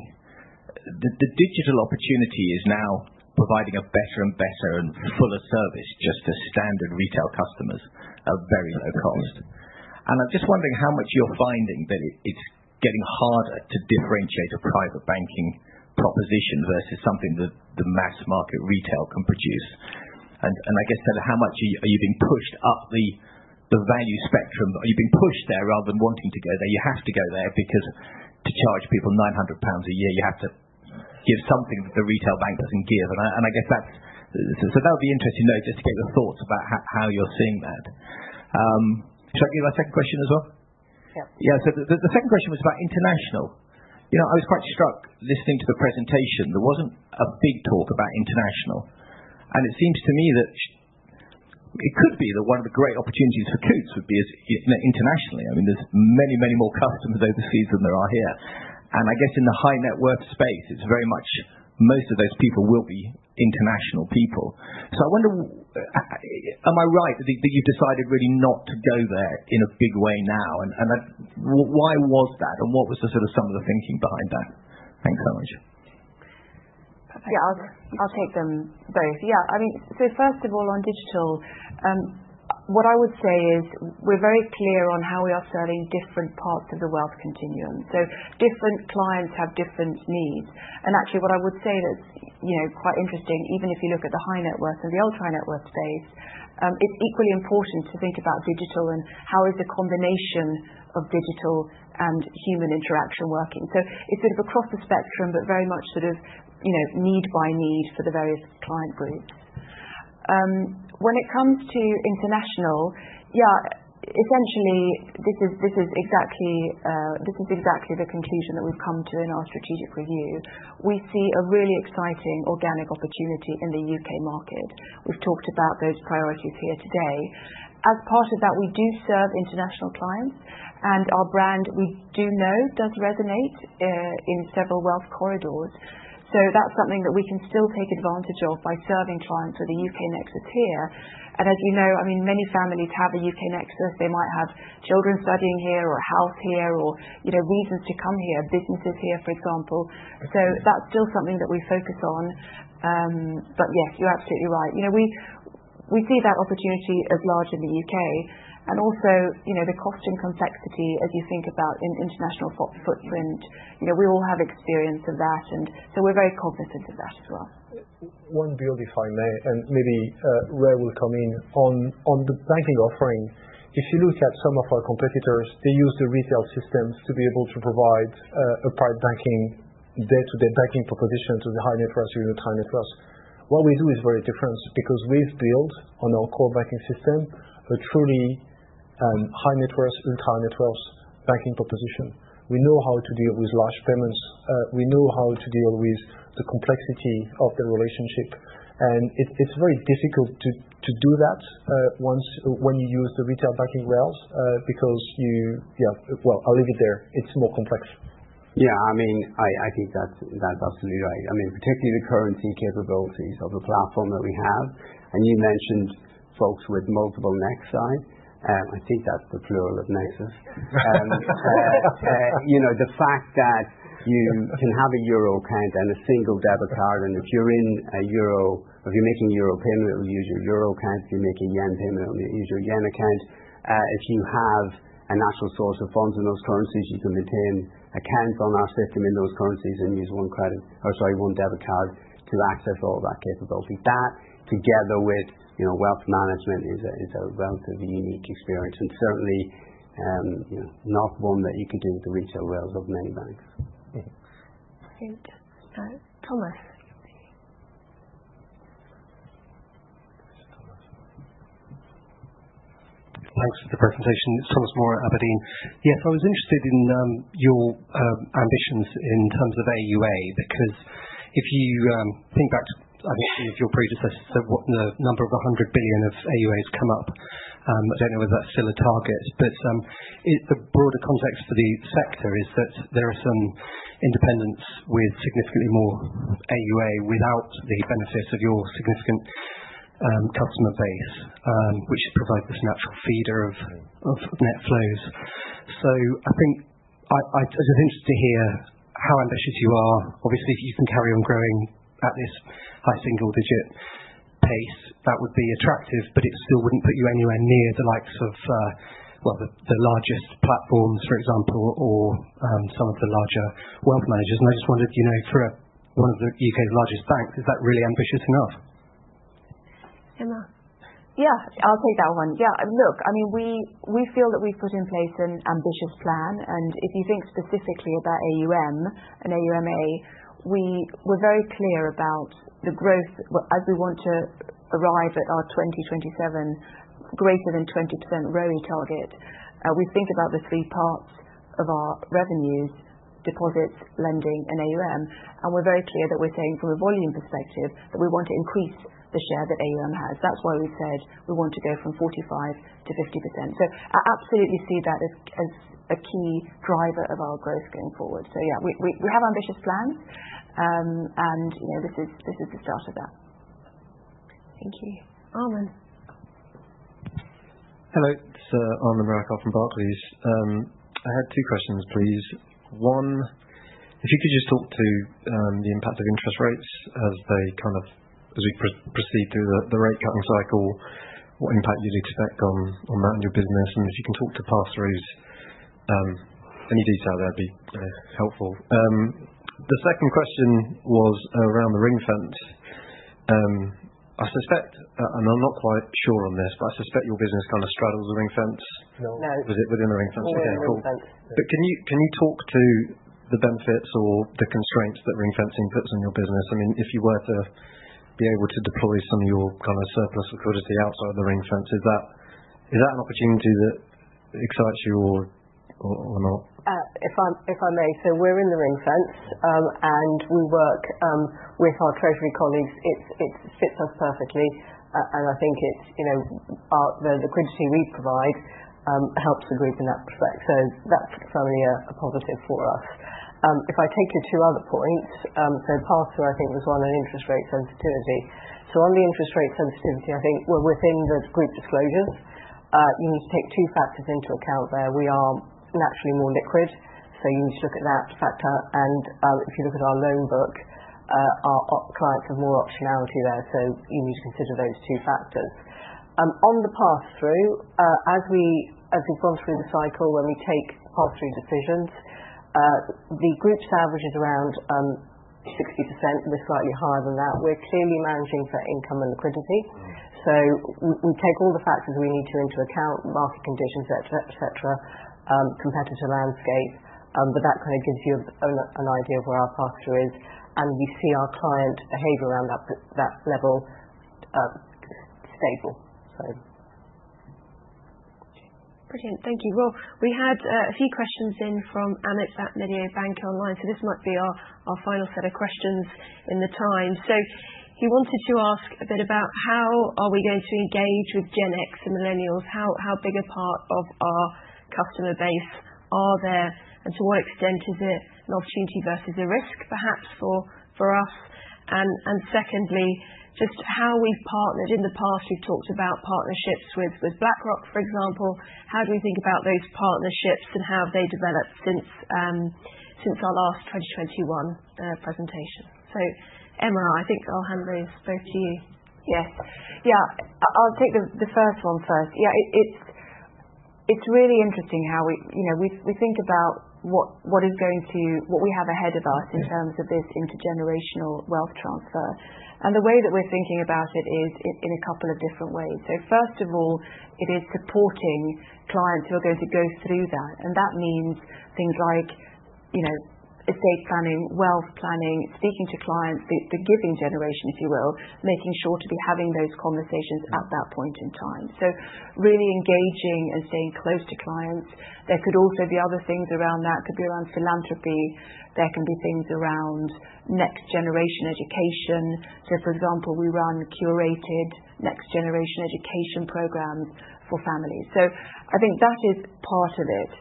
P: the digital opportunity is now providing a better and better and fuller service just to standard retail customers at very low cost. I'm just wondering how much you're finding that it's getting harder to differentiate a private banking proposition versus something that the mass market retail can produce. I guess, how much are you being pushed up the value spectrum? Are you being pushed there rather than wanting to go there? You have to go there because to charge people 900 pounds a year, you have to give something that the retail bank doesn't give. That would be interesting to know just to get your thoughts about how you're seeing that. Should I give you my second question as well?
A: Yeah.
P: Yeah. The second question was about international. I was quite struck listening to the presentation. There wasn't a big talk about international. It seems to me that it could be that one of the great opportunities for Coutts would be internationally. There's many, many more customers overseas than there are here. I guess in the high net worth space, it's very much most of those people will be international people. I wonder, am I right that you've decided really not to go there in a big way now? Why was that, and what was some of the thinking behind that? Thanks so much.
C: Yeah. I'll take them both. Yeah. First of all, on digital, what I would say is we're very clear on how we are serving different parts of the wealth continuum. Different clients have different needs. Actually, what I would say that's quite interesting, even if you look at the high net worth and the ultra-high net worth space, it's equally important to think about digital and how is the combination of digital and human interaction working. It's sort of across the spectrum, but very much need by need for the various client groups. When it comes to international, yeah, essentially, this is exactly the conclusion that we've come to in our strategic review. We see a really exciting organic opportunity in the UK market. We've talked about those priorities here today. As part of that, we do serve international clients, and our brand, we do know, does resonate in several wealth corridors. That's something that we can still take advantage of by serving clients with a UK nexus here. As you know, many families have a UK nexus. They might have children studying here or a house here or reasons to come here, businesses here, for example. That's still something that we focus on. But yes, you're absolutely right. We see that opportunity as large in the UK and also the cost and complexity as you think about international footprint. We all have experience of that, and so we're very cognizant of that as well.
E: One build, if I may, and maybe Ray will come in on the banking offering. If you look at some of our competitors, they use the retail systems to be able to provide a private banking, day-to-day banking proposition to the high-net-worth, ultra-high-net-worth. What we do is very different because we've built on our core banking system a truly high-net-worth, ultra-high-net-worth banking proposition. We know how to deal with large payments. We know how to deal with the complexity of the relationship. It's very difficult to do that when you use the Retail Banking rails because, yeah, well, I'll leave it there. It's more complex.
J: Yeah. I think that's absolutely right. Particularly the currency capabilities of the platform that we have. You mentioned folks with multiple nexi. I think that's the plural of nexus. The fact that you can have a Euro account and a single debit card, and if you're in a Euro, if you're making a Euro payment, it will use your Euro account. If you're making a Yen payment, it will use your Yen account. If you have a natural source of funds in those currencies, you can maintain accounts on our system in those currencies and use one credit or, sorry, one debit card to access all of that capability. That, together with wealth management, is a relatively unique experience and certainly not one that you could do with the retail rails of many banks. Great. Thomas.
Q: Thanks for the presentation. It's Thomas Moore, abrdn. Yes, I was interested in your ambitions in terms of AUA because if you think back to, I think, some of your predecessors, the number of a hundred billion of AUAs come up. I don't know whether that's still a target, but the broader context for the sector is that there are some independents with significantly more AUA without the benefits of your significant customer base, which provides this natural feeder of net flows. I think I'm just interested to hear how ambitious you are. Obviously, if you can carry on growing at this high single-digit pace, that would be attractive, but it still wouldn't put you anywhere near the likes of the largest platforms, for example, or some of the larger wealth managers. I just wondered, for one of the UK's largest banks, is that really ambitious enough?
A: Emma?
C: Yeah. I'll take that one. Yeah. Look, we feel that we've put in place an ambitious plan. If you think specifically about AUM and AUMA, we're very clear about the growth as we want to arrive at our 2027 greater than 20% ROE target. We think about the three parts of our revenues: deposits, lending, and AUM. We're very clear that we're saying from a volume perspective that we want to increase the share that AUM has. That's why we've said we want to go from 45% to 50%. I absolutely see that as a key driver of our growth going forward. Yeah, we have ambitious plans, and this is the start of that.
A: Thank you. Aman.
R: Hello. This is Aman Rakkar from Barclays. I had two questions, please. One, if you could just talk to the impact of interest rates as we proceed through the rate cutting cycle, what impact you'd expect on that and your business, and if you can talk to pass through any detail, that would be helpful. The second question was around the ring fence. I suspect, and I'm not quite sure on this, but I suspect your business kind of straddles the ring fence.
C: No.
R: Was it within the ring fence?
C: No.
R: Okay. Cool. Can you talk to the benefits or the constraints that ring fencing puts on your business? If you were to be able to deploy some of your surplus liquidity outside the ring fence, is that an opportunity that excites you or not?
C: If I may, we're in the ring fence, and we work with our treasury colleagues. It fits us perfectly. I think the liquidity we provide helps the group in that respect. That's certainly a positive for us. If I take your two other points, pass through, I think there's one on interest rate sensitivity. On the interest rate sensitivity, I think we're within the group disclosures. You need to take two factors into account there. We are naturally more liquid, so you need to look at that factor. If you look at our loan book, our clients have more optionality there, so you need to consider those two factors. On the pass through, as we've gone through the cycle when we take pass through decisions, the group's average is around 60%. We're slightly higher than that. We're clearly managing for income and liquidity. We take all the factors we need to into account: market conditions, etc., competitor landscape. That kind of gives you an idea of where our pass through is, and we see our client behavior around that level stable.
A: Brilliant. Thank you. We had a few questions in from Amit at Mediobanca, so this might be our final set of questions in the time. He wanted to ask a bit about how are we going to engage with Gen X and millennials? How big a part of our customer base are they, and to what extent is it an opportunity versus a risk, perhaps, for us? Secondly, just how we've partnered. In the past, we've talked about partnerships with BlackRock, for example. How do we think about those partnerships and how have they developed since our last 2021 presentation? Emma, I think I'll hand those both to you.
C: Yeah. Yeah. I'll take the first one first. Yeah. It's really interesting how we think about what we have ahead of us in terms of this intergenerational wealth transfer. The way that we're thinking about it is in a couple of different ways. First of all, it is supporting clients who are going to go through that. That means things like estate planning, wealth planning, speaking to clients, the giving generation, if you will, making sure to be having those conversations at that point in time. Really engaging and staying close to clients. There could also be other things around that. It could be around philanthropy. There can be things around next generation education. For example, we run curated next generation education programs for families. I think that is part of it.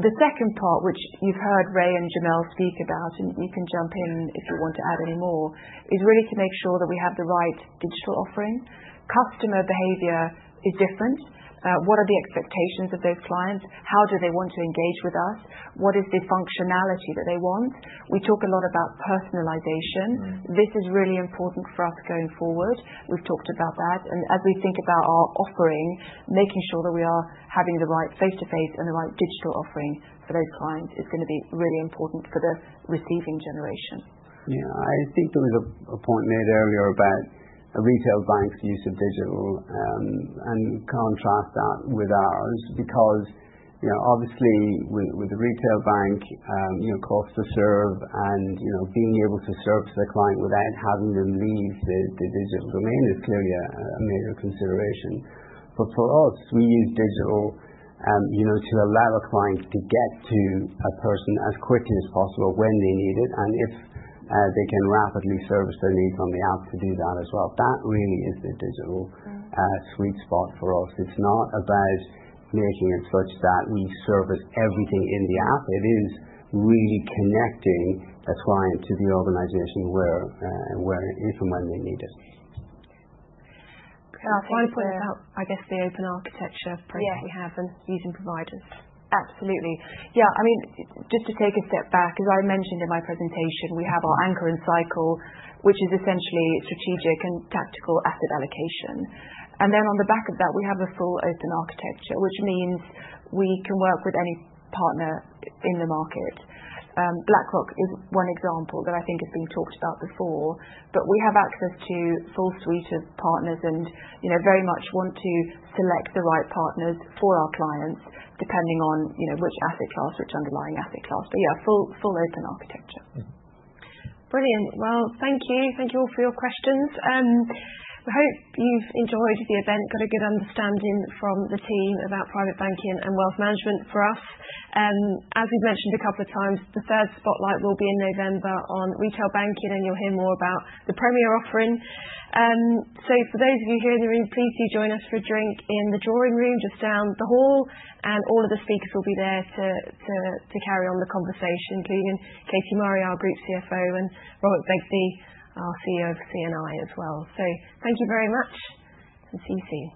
C: The second part, which you've heard Ray and Jamel speak about, and you can jump in if you want to add any more, is really to make sure that we have the right digital offering. Customer behavior is different. What are the expectations of those clients? How do they want to engage with us? What is the functionality that they want? We talk a lot about personalization. This is really important for us going forward. We've talked about that. As we think about our offering, making sure that we are having the right face-to-face and the right digital offering for those clients is going to be really important for the receiving generation.
J: Yeah. I think there was a point made earlier about a retail bank's use of digital and contrast that with ours because, obviously, with a retail bank, cost to serve and being able to serve to the client without having them leave the digital domain is clearly a major consideration. For us, we use digital to allow a client to get to a person as quickly as possible when they need it, and if they can rapidly service their needs on the app to do that as well. That really is the digital sweet spot for us. It's not about making it such that we service everything in the app. It is really connecting a client to the organization where and if and when they need it.
A: I want to point out the open architecture approach that we have and using providers.
C: Absolutely. Yeah. Just to take a step back, as I mentioned in my presentation, we have our anchor and cycle, which is essentially strategic and tactical asset allocation. Then on the back of that, we have a full open architecture, which means we can work with any partner in the market. BlackRock is one example that I think has been talked about before, but we have access to a full suite of partners and very much want to select the right partners for our clients depending on which asset class, which underlying asset class. But yeah, full open architecture.
A: Brilliant. Well, thank you. Thank you all for your questions. We hope you've enjoyed the event, got a good understanding from the team about Private Banking and Wealth Management for us. As we've mentioned a couple of times, the third spotlight will be in November on Retail Banking, and you'll hear more about the Premier offering. For those of you here in the room, please do join us for a drink in the drawing room just down the hall, and all of the speakers will be there to carry on the conversation, including Katie Murray, our Group CFO, and Robert Begbie, our CEO of C&I as well. Thank you very much, and see you soon.